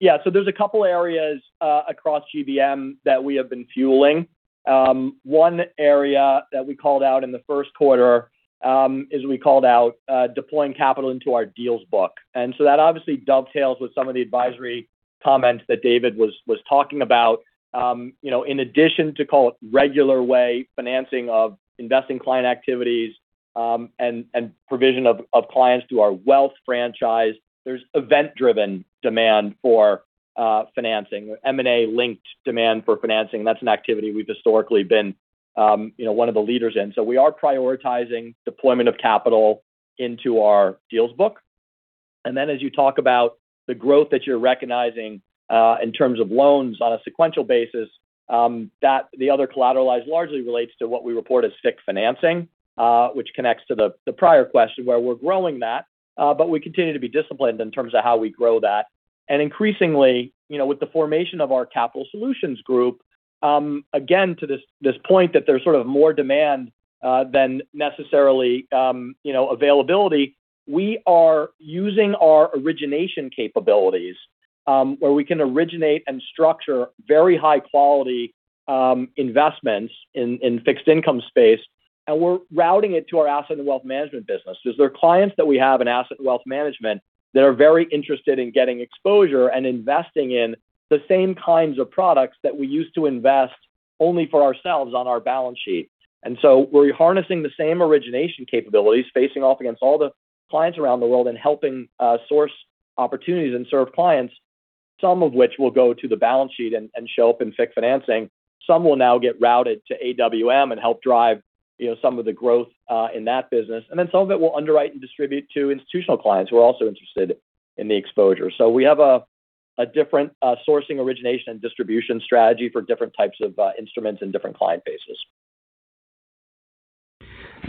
Yeah, there's a couple areas across GBM that we have been fueling. One area that we called out in the first quarter, is we called out deploying capital into our deals book. That obviously dovetails with some of the advisory comments that David was talking about. In addition to, call it, regular way financing of investing client activities, and provision of clients to our wealth franchise, there's event-driven demand for financing, M&A-linked demand for financing. That's an activity we've historically been one of the leaders in. We are prioritizing deployment of capital into our deals book. As you talk about the growth that you're recognizing in terms of loans on a sequential basis, the other collateralized largely relates to what we report as FICC financing, which connects to the prior question where we're growing that. We continue to be disciplined in terms of how we grow that. Increasingly, with the formation of our Capital Solutions Group, again, to this point that there's sort of more demand than necessarily availability. We are using our origination capabilities, where we can originate and structure very high-quality investments in fixed income space, and we're routing it to our Asset & Wealth Management business. Because there are clients that we have in Asset & Wealth Management that are very interested in getting exposure and investing in the same kinds of products that we used to invest only for ourselves on our balance sheet. We're harnessing the same origination capabilities facing off against all the clients around the world and helping source opportunities and serve clients, some of which will go to the balance sheet and show up in FICC financing. Some will now get routed to AWM and help drive some of the growth in that business. Some of it we'll underwrite and distribute to institutional clients who are also interested in the exposure. We have a different sourcing, origination, and distribution strategy for different types of instruments and different client bases.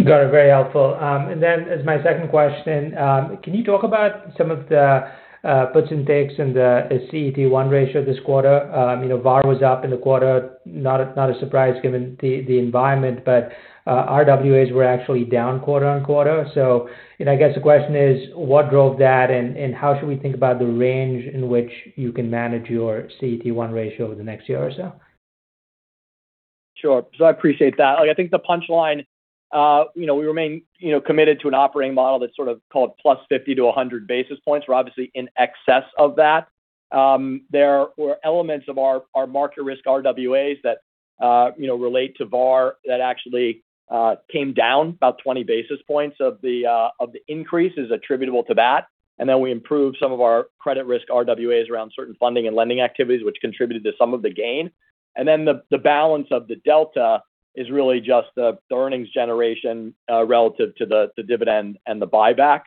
Got it. Very helpful. As my second question, can you talk about some of the puts and takes in the CET1 ratio this quarter? VaR was up in the quarter, not a surprise given the environment, but RWAs were actually down quarter-on-quarter. I guess the question is, what drove that and how should we think about the range in which you can manage your CET1 ratio over the next year or so? Sure. I appreciate that. I think the punchline, we remain committed to an operating model that's sort of called +50-100 basis points. We're obviously in excess of that. There were elements of our market risk RWAs that relate to VaR that actually came down about 20 basis points of the increase is attributable to that. We improved some of our credit risk RWAs around certain funding and lending activities, which contributed to some of the gain. The balance of the delta is really just the earnings generation relative to the dividend and the buyback.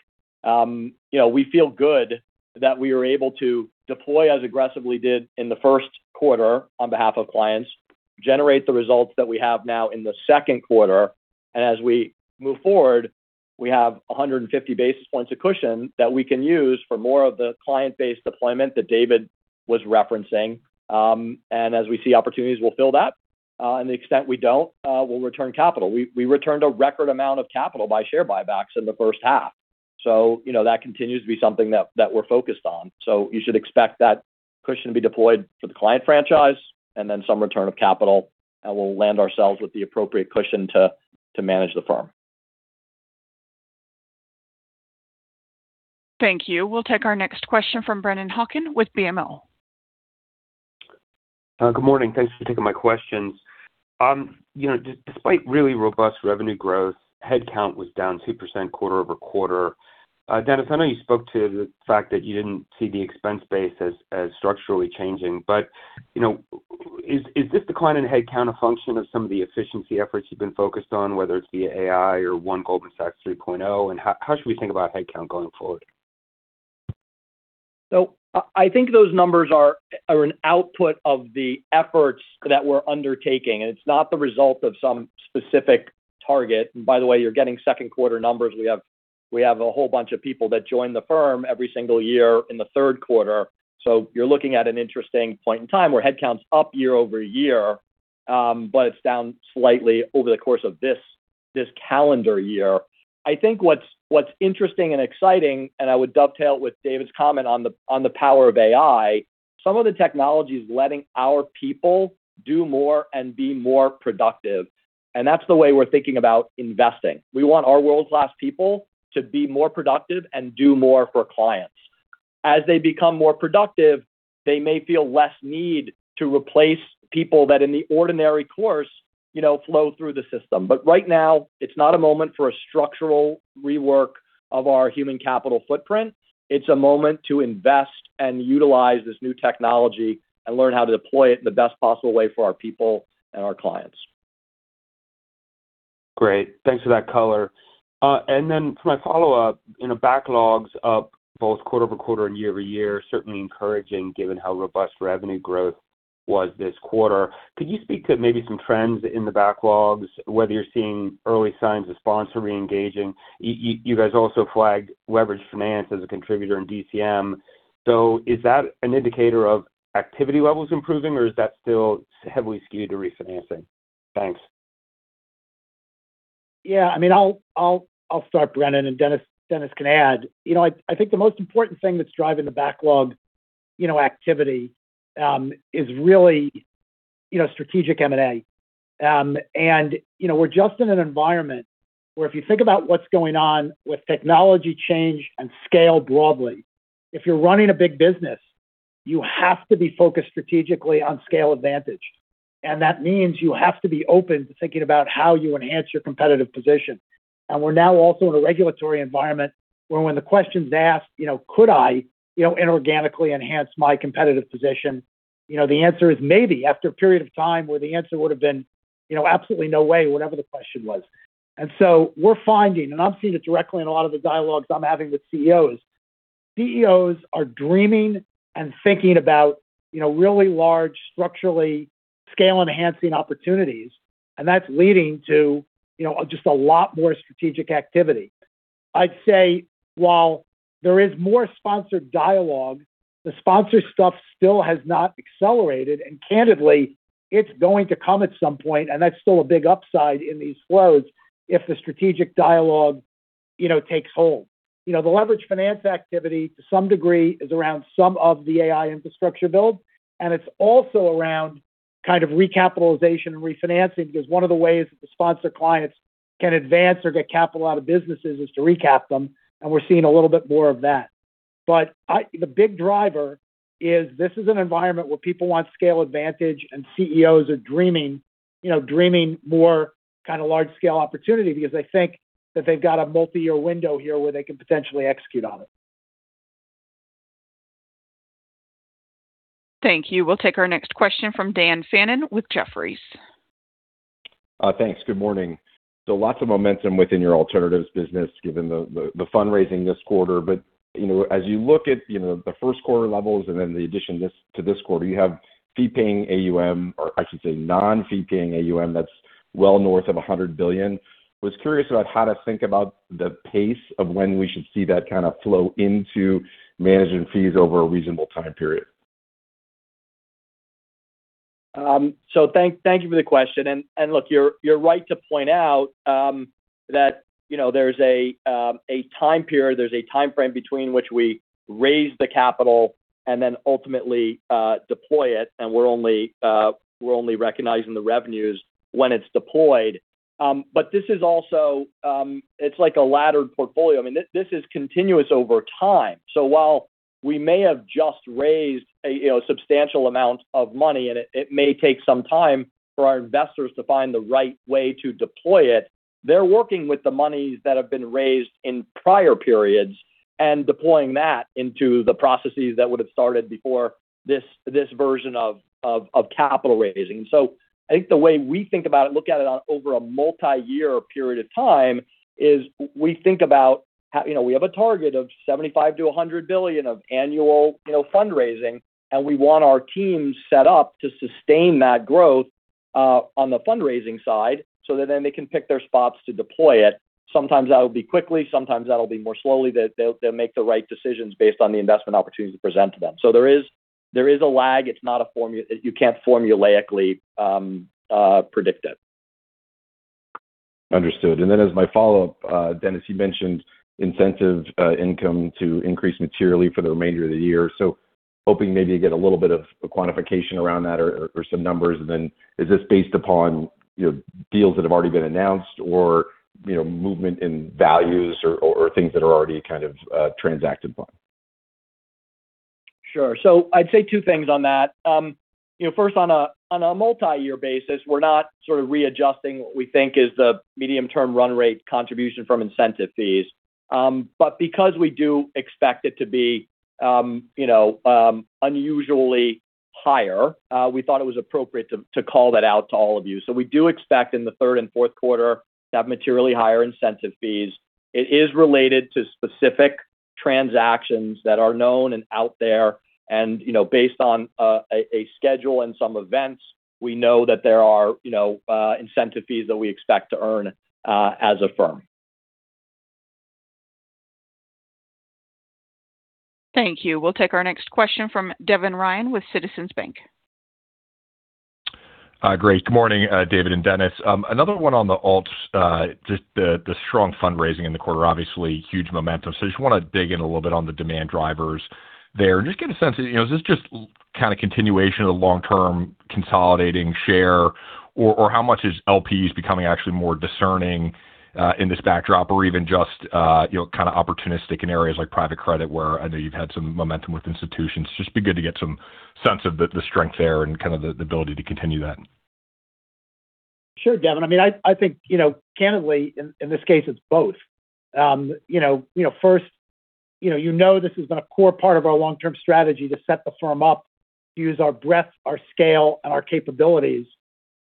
We feel good that we were able to deploy as aggressively did in the first quarter on behalf of clients, generate the results that we have now in the second quarter. As we move forward, we have 150 basis points of cushion that we can use for more of the client-based deployment that David was referencing. As we see opportunities, we'll fill that. The extent we don't, we'll return capital. We returned a record amount of capital by share buybacks in the first half. That continues to be something that we're focused on. You should expect that cushion to be deployed for the client franchise and then some return of capital, and we'll land ourselves with the appropriate cushion to manage the firm. Thank you. We'll take our next question from Brennan Hawken with BMO. Good morning. Thanks for taking my questions. Despite really robust revenue growth, headcount was down 2% quarter-over-quarter. Denis, I know you spoke to the fact that you didn't see the expense base as structurally changing. Is this decline in headcount a function of some of the efficiency efforts you've been focused on, whether it's via AI or One Goldman Sachs 3.0, and how should we think about headcount going forward? I think those numbers are an output of the efforts that we're undertaking, and it's not the result of some specific target. By the way, you're getting second quarter numbers. We have a whole bunch of people that join the firm every single year in the third quarter. You're looking at an interesting point in time where headcount's up year-over-year, but it's down slightly over the course of this calendar year. I think what's interesting and exciting, and I would dovetail with David's comment on the power of AI, some of the technology's letting our people do more and be more productive, and that's the way we're thinking about investing. We want our world-class people to be more productive and do more for clients. As they become more productive, they may feel less need to replace people that in the ordinary course flow through the system. Right now, it's not a moment for a structural rework of our human capital footprint. It's a moment to invest and utilize this new technology and learn how to deploy it in the best possible way for our people and our clients. Great. Thanks for that color. For my follow-up, backlogs up both quarter-over-quarter and year-over-year, certainly encouraging given how robust revenue growth was this quarter. Could you speak to maybe some trends in the backlogs, whether you're seeing early signs of sponsor reengaging? You guys also flagged leveraged finance as a contributor in DCM. Is that an indicator of activity levels improving, or is that still heavily skewed to refinancing? Thanks. Yeah, I'll start, Brennan, and Denis can add. I think the most important thing that's driving the backlog activity is really strategic M&A. We're just in an environment where if you think about what's going on with technology change and scale broadly, if you're running a big business, you have to be focused strategically on scale advantage. That means you have to be open to thinking about how you enhance your competitive position. We're now also in a regulatory environment where when the question's asked, "Could I" inorganically enhance my competitive position? The answer is maybe after a period of time where the answer would've been, absolutely no way, whatever the question was. We're finding, and I'm seeing it directly in a lot of the dialogues I'm having with CEOs. CEOs are dreaming and thinking about really large structurally scale-enhancing opportunities. That's leading to just a lot more strategic activity. I'd say while there is more sponsored dialogue, the sponsor stuff still has not accelerated, and candidly, it's going to come at some point, and that's still a big upside in these flows if the strategic dialogue takes hold. The leveraged finance activity to some degree is around some of the AI infrastructure build, and it's also around recapitalization and refinancing because one of the ways that the sponsor clients can advance or get capital out of businesses is to recap them, and we're seeing a little bit more of that. The big driver is this is an environment where people want scale advantage and CEOs are dreaming more kind of large-scale opportunity because they think that they've got a multi-year window here where they can potentially execute on it. Thank you. We'll take our next question from Dan Fannon with Jefferies. Thanks. Good morning. Lots of momentum within your alternatives business given the fundraising this quarter. As you look at the first quarter levels and then the addition to this quarter, you have fee paying AUM, or I should say non-fee paying AUM, that's well north of $100 billion. I was curious about how to think about the pace of when we should see that kind of flow into management fees over a reasonable time period. Thank you for the question, and look, you're right to point out that there's a time period, there's a timeframe between which we raise the capital and then ultimately deploy it, and we're only recognizing the revenues when it's deployed. This is also like a laddered portfolio. This is continuous over time. While we may have just raised a substantial amount of money, and it may take some time for our investors to find the right way to deploy it, they're working with the monies that have been raised in prior periods and deploying that into the processes that would've started before this version of capital raising. I think the way we think about it, look at it on over a multi-year period of time is we think about how we have a target of $75 billion-$100 billion of annual fundraising, and we want our teams set up to sustain that growth, on the fundraising side so that then they can pick their spots to deploy it. Sometimes that'll be quickly, sometimes that'll be more slowly. They'll make the right decisions based on the investment opportunities we present to them. There is a lag. You can't formulaically predict it. Understood. As my follow-up, Denis, you mentioned incentive income to increase materially for the remainder of the year. Hoping maybe to get a little bit of a quantification around that or some numbers. Is this based upon deals that have already been announced or movement in values or things that are already kind of transacted upon? Sure. I'd say two things on that. First, on a multi-year basis, we're not sort of readjusting what we think is the medium-term run rate contribution from incentive fees. Because we do expect it to be unusually higher, we thought it was appropriate to call that out to all of you. We do expect in the third and fourth quarter to have materially higher incentive fees. It is related to specific transactions that are known and out there. Based on a schedule and some events, we know that there are incentive fees that we expect to earn as a firm. Thank you. We'll take our next question from Devin Ryan with Citizens Bank. Great. Good morning, David and Denis. Another one on the alts, just the strong fundraising in the quarter, obviously huge momentum. I just want to dig in a little bit on the demand drivers there. Just get a sense, is this just kind of continuation of the long-term consolidating share, or how much is LPs becoming actually more discerning in this backdrop or even just kind of opportunistic in areas like private credit where I know you've had some momentum with institutions? It'd just be good to get some sense of the strength there and kind of the ability to continue that. Sure, Devin. I think, candidly in this case it's both. First, you know this has been a core part of our long-term strategy to set the firm up to use our breadth, our scale, and our capabilities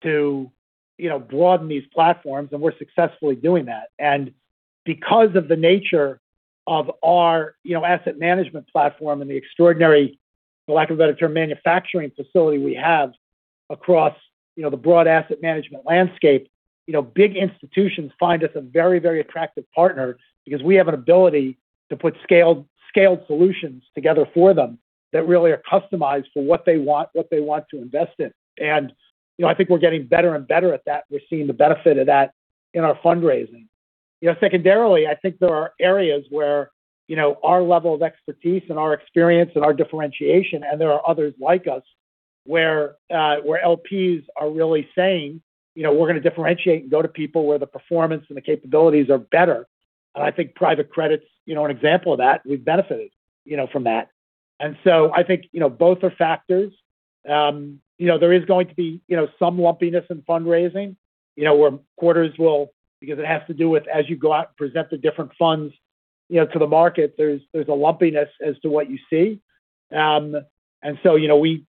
to broaden these platforms, and we're successfully doing that. Because of the nature of our asset management platform and the extraordinary, for lack of a better term, manufacturing facility we have across the broad asset management landscape, big institutions find us a very attractive partner because we have an ability to put scaled solutions together for them that really are customized for what they want to invest in. I think we're getting better and better at that, and we're seeing the benefit of that in our fundraising. Secondarily, I think there are areas where our level of expertise and our experience and our differentiation, and there are others like us where LPs are really saying we're going to differentiate and go to people where the performance and the capabilities are better. I think private credit's an example of that. We've benefited from that. I think both are factors. There is going to be some lumpiness in fundraising, where quarters will, because it has to do with as you go out and present the different funds to the market, there's a lumpiness as to what you see.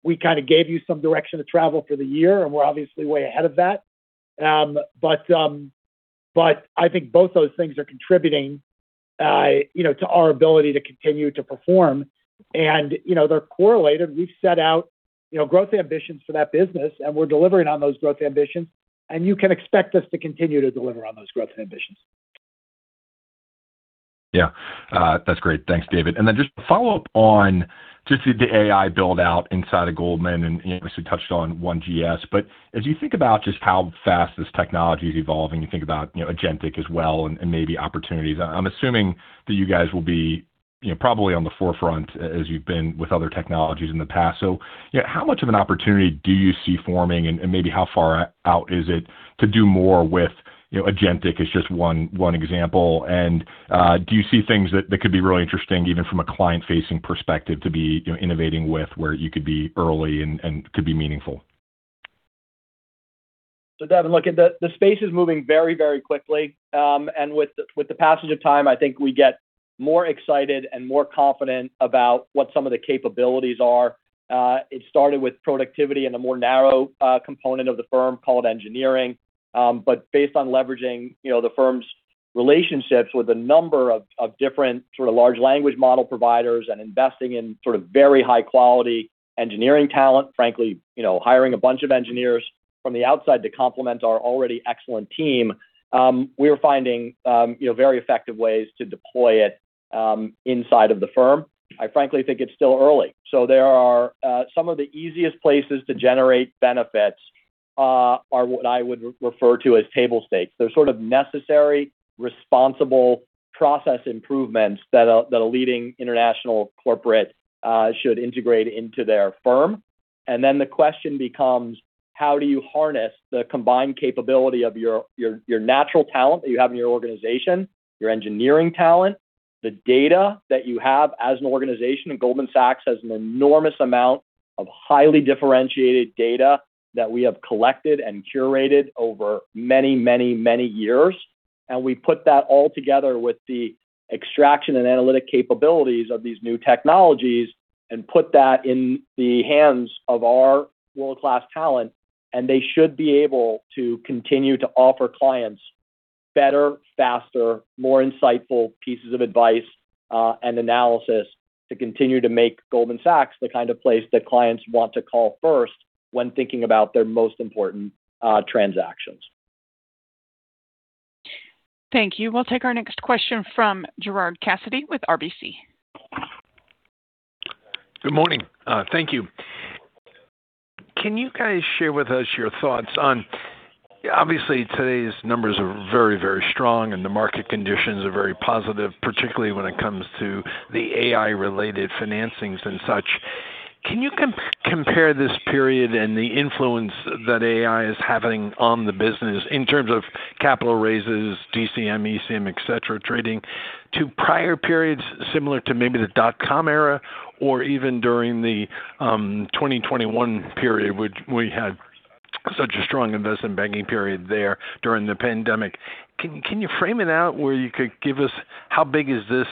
We gave you some direction of travel for the year, and we're obviously way ahead of that. I think both those things are contributing to our ability to continue to perform. They're correlated. We've set out growth ambitions for that business, and we're delivering on those growth ambitions, and you can expect us to continue to deliver on those growth ambitions. Yeah. That's great. Thanks, David. Just to follow up on just the AI build-out inside of Goldman, and you obviously touched on One GS, but as you think about just how fast this technology is evolving, you think about agentic as well and maybe opportunities. I'm assuming that you guys will be probably on the forefront as you've been with other technologies in the past. How much of an opportunity do you see forming, and maybe how far out is it to do more with agentic as just one example? Do you see things that could be really interesting, even from a client-facing perspective to be innovating with where you could be early and could be meaningful? Devin, look, the space is moving very quickly. With the passage of time, I think we get more excited and more confident about what some of the capabilities are. It started with productivity and a more narrow component of the firm called engineering. Based on leveraging the firm's relationships with a number of different sort of large language model providers and investing in sort of very high-quality engineering talent, frankly, hiring a bunch of engineers from the outside to complement our already excellent team, we're finding very effective ways to deploy it inside of the firm. I frankly think it's still early. There are some of the easiest places to generate benefits are what I would refer to as table stakes. They're sort of necessary, responsible process improvements that a leading international corporate should integrate into their firm. The question becomes, how do you harness the combined capability of your natural talent that you have in your organization, your engineering talent, the data that you have as an organization, Goldman Sachs has an enormous amount of highly differentiated data that we have collected and curated over many years. We put that all together with the extraction and analytic capabilities of these new technologies and put that in the hands of our world-class talent, they should be able to continue to offer clients better, faster, more insightful pieces of advice, and analysis to continue to make Goldman Sachs the kind of place that clients want to call first when thinking about their most important transactions. Thank you. We'll take our next question from Gerard Cassidy with RBC. Good morning. Thank you. Can you guys share with us your thoughts on, obviously today's numbers are very strong and the market conditions are very positive, particularly when it comes to the AI-related financings and such. Can you compare this period and the influence that AI is having on the business in terms of capital raises, DCM, ECM, et cetera, trading to prior periods similar to maybe the dot-com era or even during the 2021 period, which we had such a strong investment banking period there during the pandemic? Can you frame it out where you could give us how big is this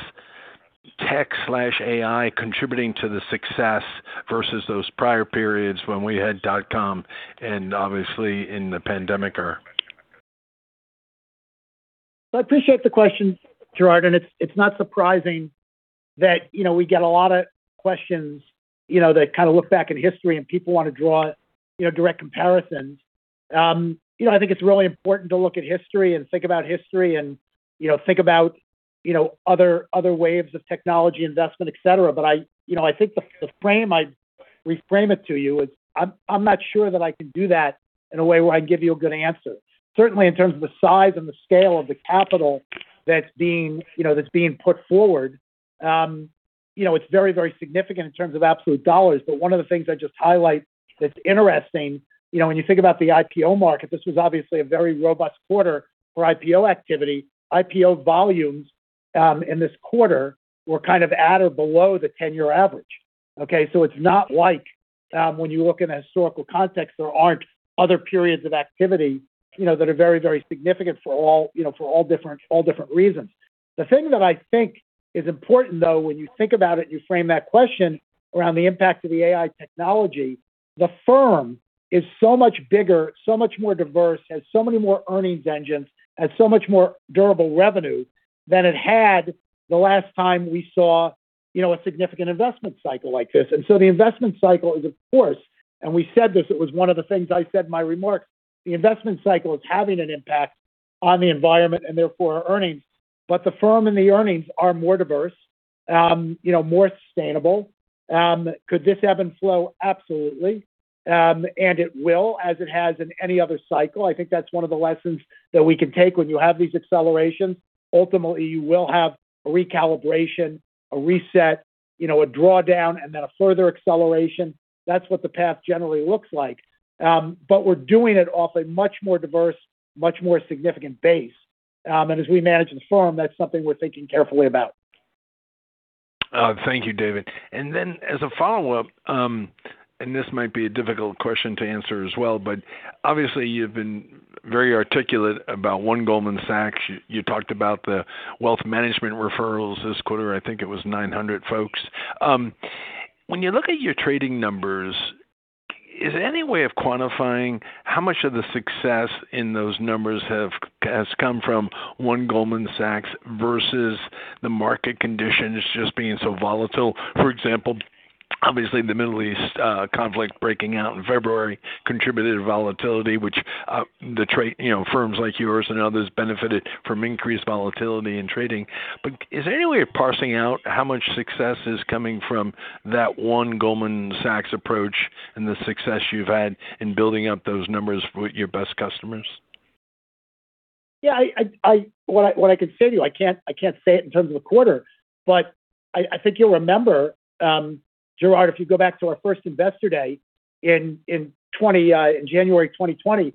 tech/AI contributing to the success versus those prior periods when we had dot-com and obviously in the pandemic era? I appreciate the question, Gerard. It's not surprising that we get a lot of questions that kind of look back in history and people want to draw direct comparisons. I think it's really important to look at history and think about history and think about other waves of technology investment, et cetera. I think the frame I reframe it to you is I'm not sure that I can do that in a way where I give you a good answer. Certainly, in terms of the size and the scale of the capital that's being put forward, it's very significant in terms of absolute dollars. One of the things I just highlight that's interesting, when you think about the IPO market, this was obviously a very robust quarter for IPO activity. IPO volumes in this quarter were kind of at or below the 10-year average. Okay? It's not like when you look in a historical context, there aren't other periods of activity that are very significant for all different reasons. The thing that I think is important, though, when you think about it, and you frame that question around the impact of the AI technology, the firm is so much bigger, so much more diverse, has so many more earnings engines, has so much more durable revenue than it had the last time we saw a significant investment cycle like this. The investment cycle is, of course, and we said this, it was one of the things I said in my remarks, the investment cycle is having an impact on the environment and therefore our earnings. The firm and the earnings are more diverse, more sustainable. Could this ebb and flow? Absolutely. It will, as it has in any other cycle. I think that's one of the lessons that we can take when you have these accelerations. Ultimately, you will have a recalibration, a reset, a drawdown, and then a further acceleration. That's what the path generally looks like. We're doing it off a much more diverse, much more significant base. As we manage the firm, that's something we're thinking carefully about. Thank you, David. As a follow-up, and this might be a difficult question to answer as well, obviously you've been very articulate about One Goldman Sachs. You talked about the wealth management referrals this quarter. I think it was 900 folks. When you look at your trading numbers, is there any way of quantifying how much of the success in those numbers has come from One Goldman Sachs versus the market conditions just being so volatile? For example, obviously the Middle East conflict breaking out in February contributed to volatility, which firms like yours and others benefited from increased volatility in trading. Is there any way of parsing out how much success is coming from that One Goldman Sachs approach and the success you've had in building up those numbers with your best customers? Yeah. What I can say to you, I can't say it in terms of a quarter, but I think you'll remember, Gerard Cassidy, if you go back to our first investor day in January 2020.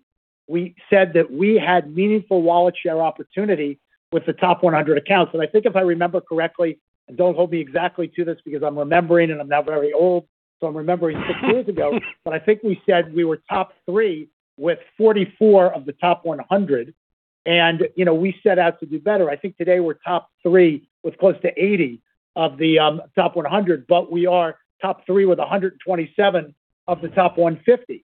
We said that we had meaningful wallet share opportunity with the top 100 accounts. I think if I remember correctly, and don't hold me exactly to this because I'm remembering and I'm now very old, so I'm remembering six years ago. I think we said we were top three with 44 of the top 100. We set out to do better. I think today we're top three with close to 80 of the top 100, but we are top three with 127 of the top 150.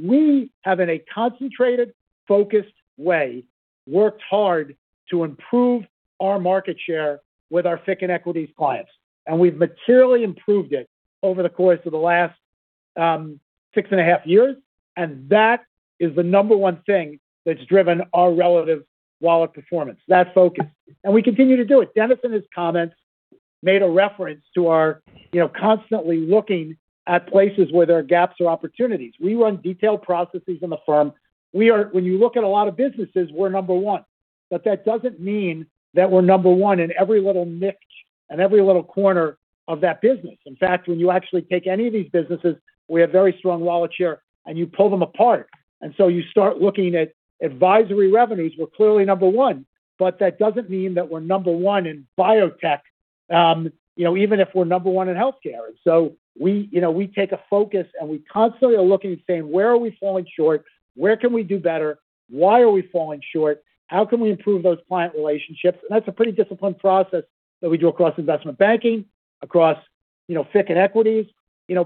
We have, in a concentrated, focused way, worked hard to improve our market share with our FICC and equities clients, and we've materially improved it over the course of the last six and a half years. That is the number one thing that's driven our relative wallet performance, that focus. We continue to do it. Denis, in his comments, made a reference to our constantly looking at places where there are gaps or opportunities. We run detailed processes in the firm. When you look at a lot of businesses, we're number one. That doesn't mean that we're number one in every little niche and every little corner of that business. In fact, when you actually take any of these businesses, we have very strong wallet share, and you pull them apart. You start looking at advisory revenues. We're clearly number one, but that doesn't mean that we're number one in biotech, even if we're number one in healthcare. We take a focus and we constantly are looking and saying, "Where are we falling short? Where can we do better? Why are we falling short? How can we improve those client relationships?" That's a pretty disciplined process that we do across investment banking, across FICC and equities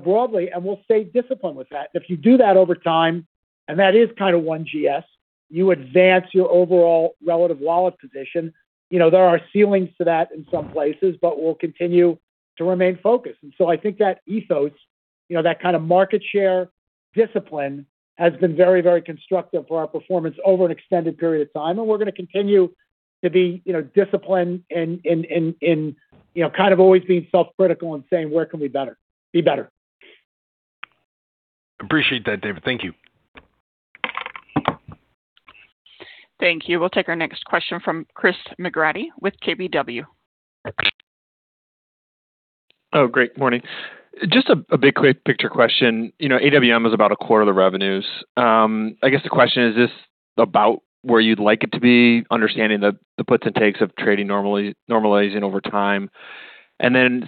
broadly, and we'll stay disciplined with that. If you do that over time, and that is kind of One GS, you advance your overall relative wallet position. There are ceilings to that in some places, but we'll continue to remain focused. I think that ethos, that kind of market share discipline has been very, very constructive for our performance over an extended period of time. We're going to continue to be disciplined in kind of always being self-critical and saying, "Where can we be better? Appreciate that, David. Thank you. Thank you. We'll take our next question from Chris McGratty with KBW. Great morning. Just a big quick picture question. AWM is about a quarter of the revenues. I guess the question, is this about where you'd like it to be, understanding the puts and takes of trading normalizing over time?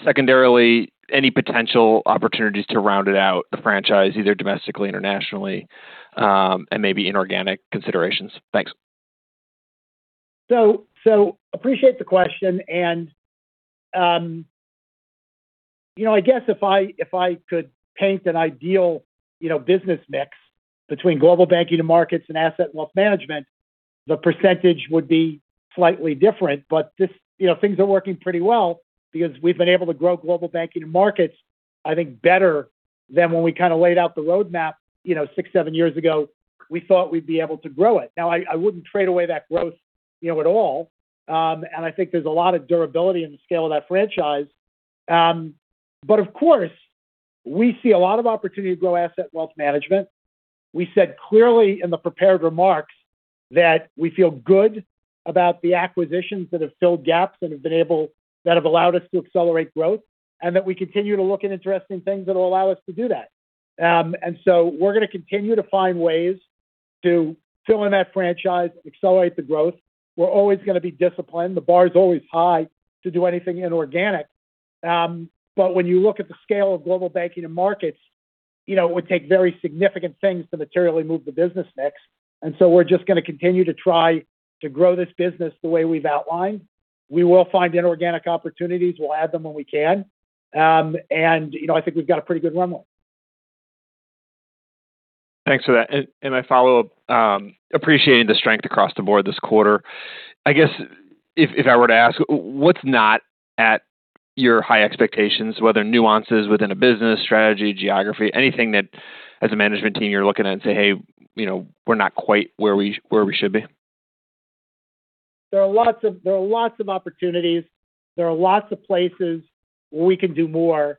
Secondarily, any potential opportunities to round it out the franchise, either domestically or internationally, and maybe inorganic considerations? Thanks. Appreciate the question. I guess if I could paint an ideal business mix between Global Banking & Markets and Asset & Wealth Management, the percentage would be slightly different. Things are working pretty well because we've been able to grow Global Banking & Markets, I think, better than when we kind of laid out the roadmap six, seven years ago, we thought we'd be able to grow it. Now, I wouldn't trade away that growth at all. I think there's a lot of durability in the scale of that franchise. Of course, we see a lot of opportunity to grow Asset & Wealth Management. We said clearly in the prepared remarks that we feel good about the acquisitions that have filled gaps that have allowed us to accelerate growth, and that we continue to look at interesting things that will allow us to do that. We're going to continue to find ways to fill in that franchise, accelerate the growth. We're always going to be disciplined. The bar is always high to do anything inorganic. When you look at the scale of Global Banking & Markets, it would take very significant things to materially move the business mix. We're just going to continue to try to grow this business the way we've outlined. We will find inorganic opportunities. We'll add them when we can. I think we've got a pretty good run rate. Thanks for that. My follow-up, appreciating the strength across the board this quarter. I guess if I were to ask, what's not at your high expectations, whether nuances within a business strategy, geography, anything that as a management team you're looking at and say, "Hey, we're not quite where we should be? There are lots of opportunities. There are lots of places where we can do more.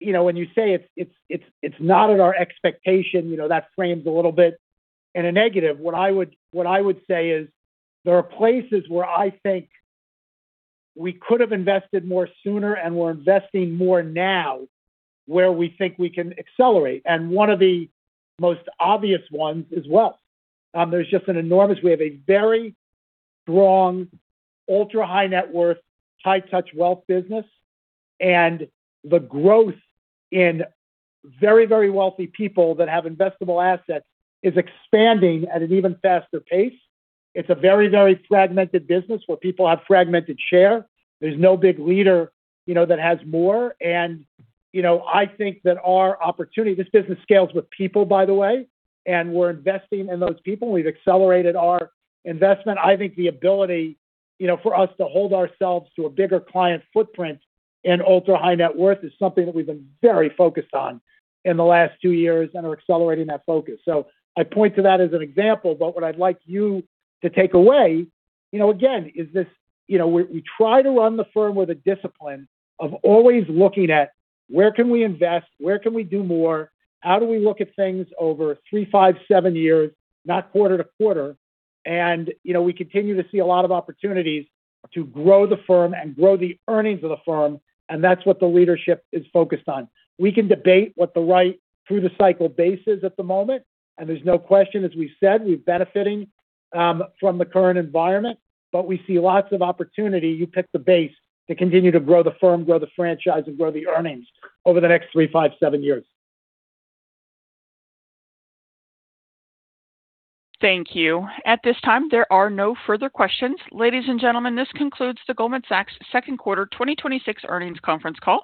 When you say it's not at our expectation, that frames a little bit in a negative. What I would say is there are places where I think we could have invested more sooner, and we're investing more now where we think we can accelerate. One of the most obvious ones is wealth. There's just an enormous, we have a very strong ultra-high net worth, high touch wealth business. The growth in very wealthy people that have investable assets is expanding at an even faster pace. It's a very fragmented business where people have fragmented share. There's no big leader that has more. I think that our opportunity, this business scales with people, by the way, and we're investing in those people. We've accelerated our investment. I think the ability for us to hold ourselves to a bigger client footprint in ultra-high net worth is something that we've been very focused on in the last two years and are accelerating that focus. I point to that as an example. What I'd like you to take away, again, is we try to run the firm with a discipline of always looking at where can we invest, where can we do more, how do we look at things over three, five, seven years, not quarter-to-quarter. We continue to see a lot of opportunities to grow the firm and grow the earnings of the firm, and that's what the leadership is focused on. We can debate what the right through the cycle base is at the moment, and there's no question, as we've said, we're benefiting from the current environment. We see lots of opportunity, you pick the base, to continue to grow the firm, grow the franchise, and grow the earnings over the next three, five, seven years. Thank you. At this time, there are no further questions. Ladies and gentlemen, this concludes the Goldman Sachs second quarter 2026 earnings conference call.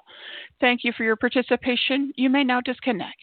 Thank you for your participation. You may now disconnect.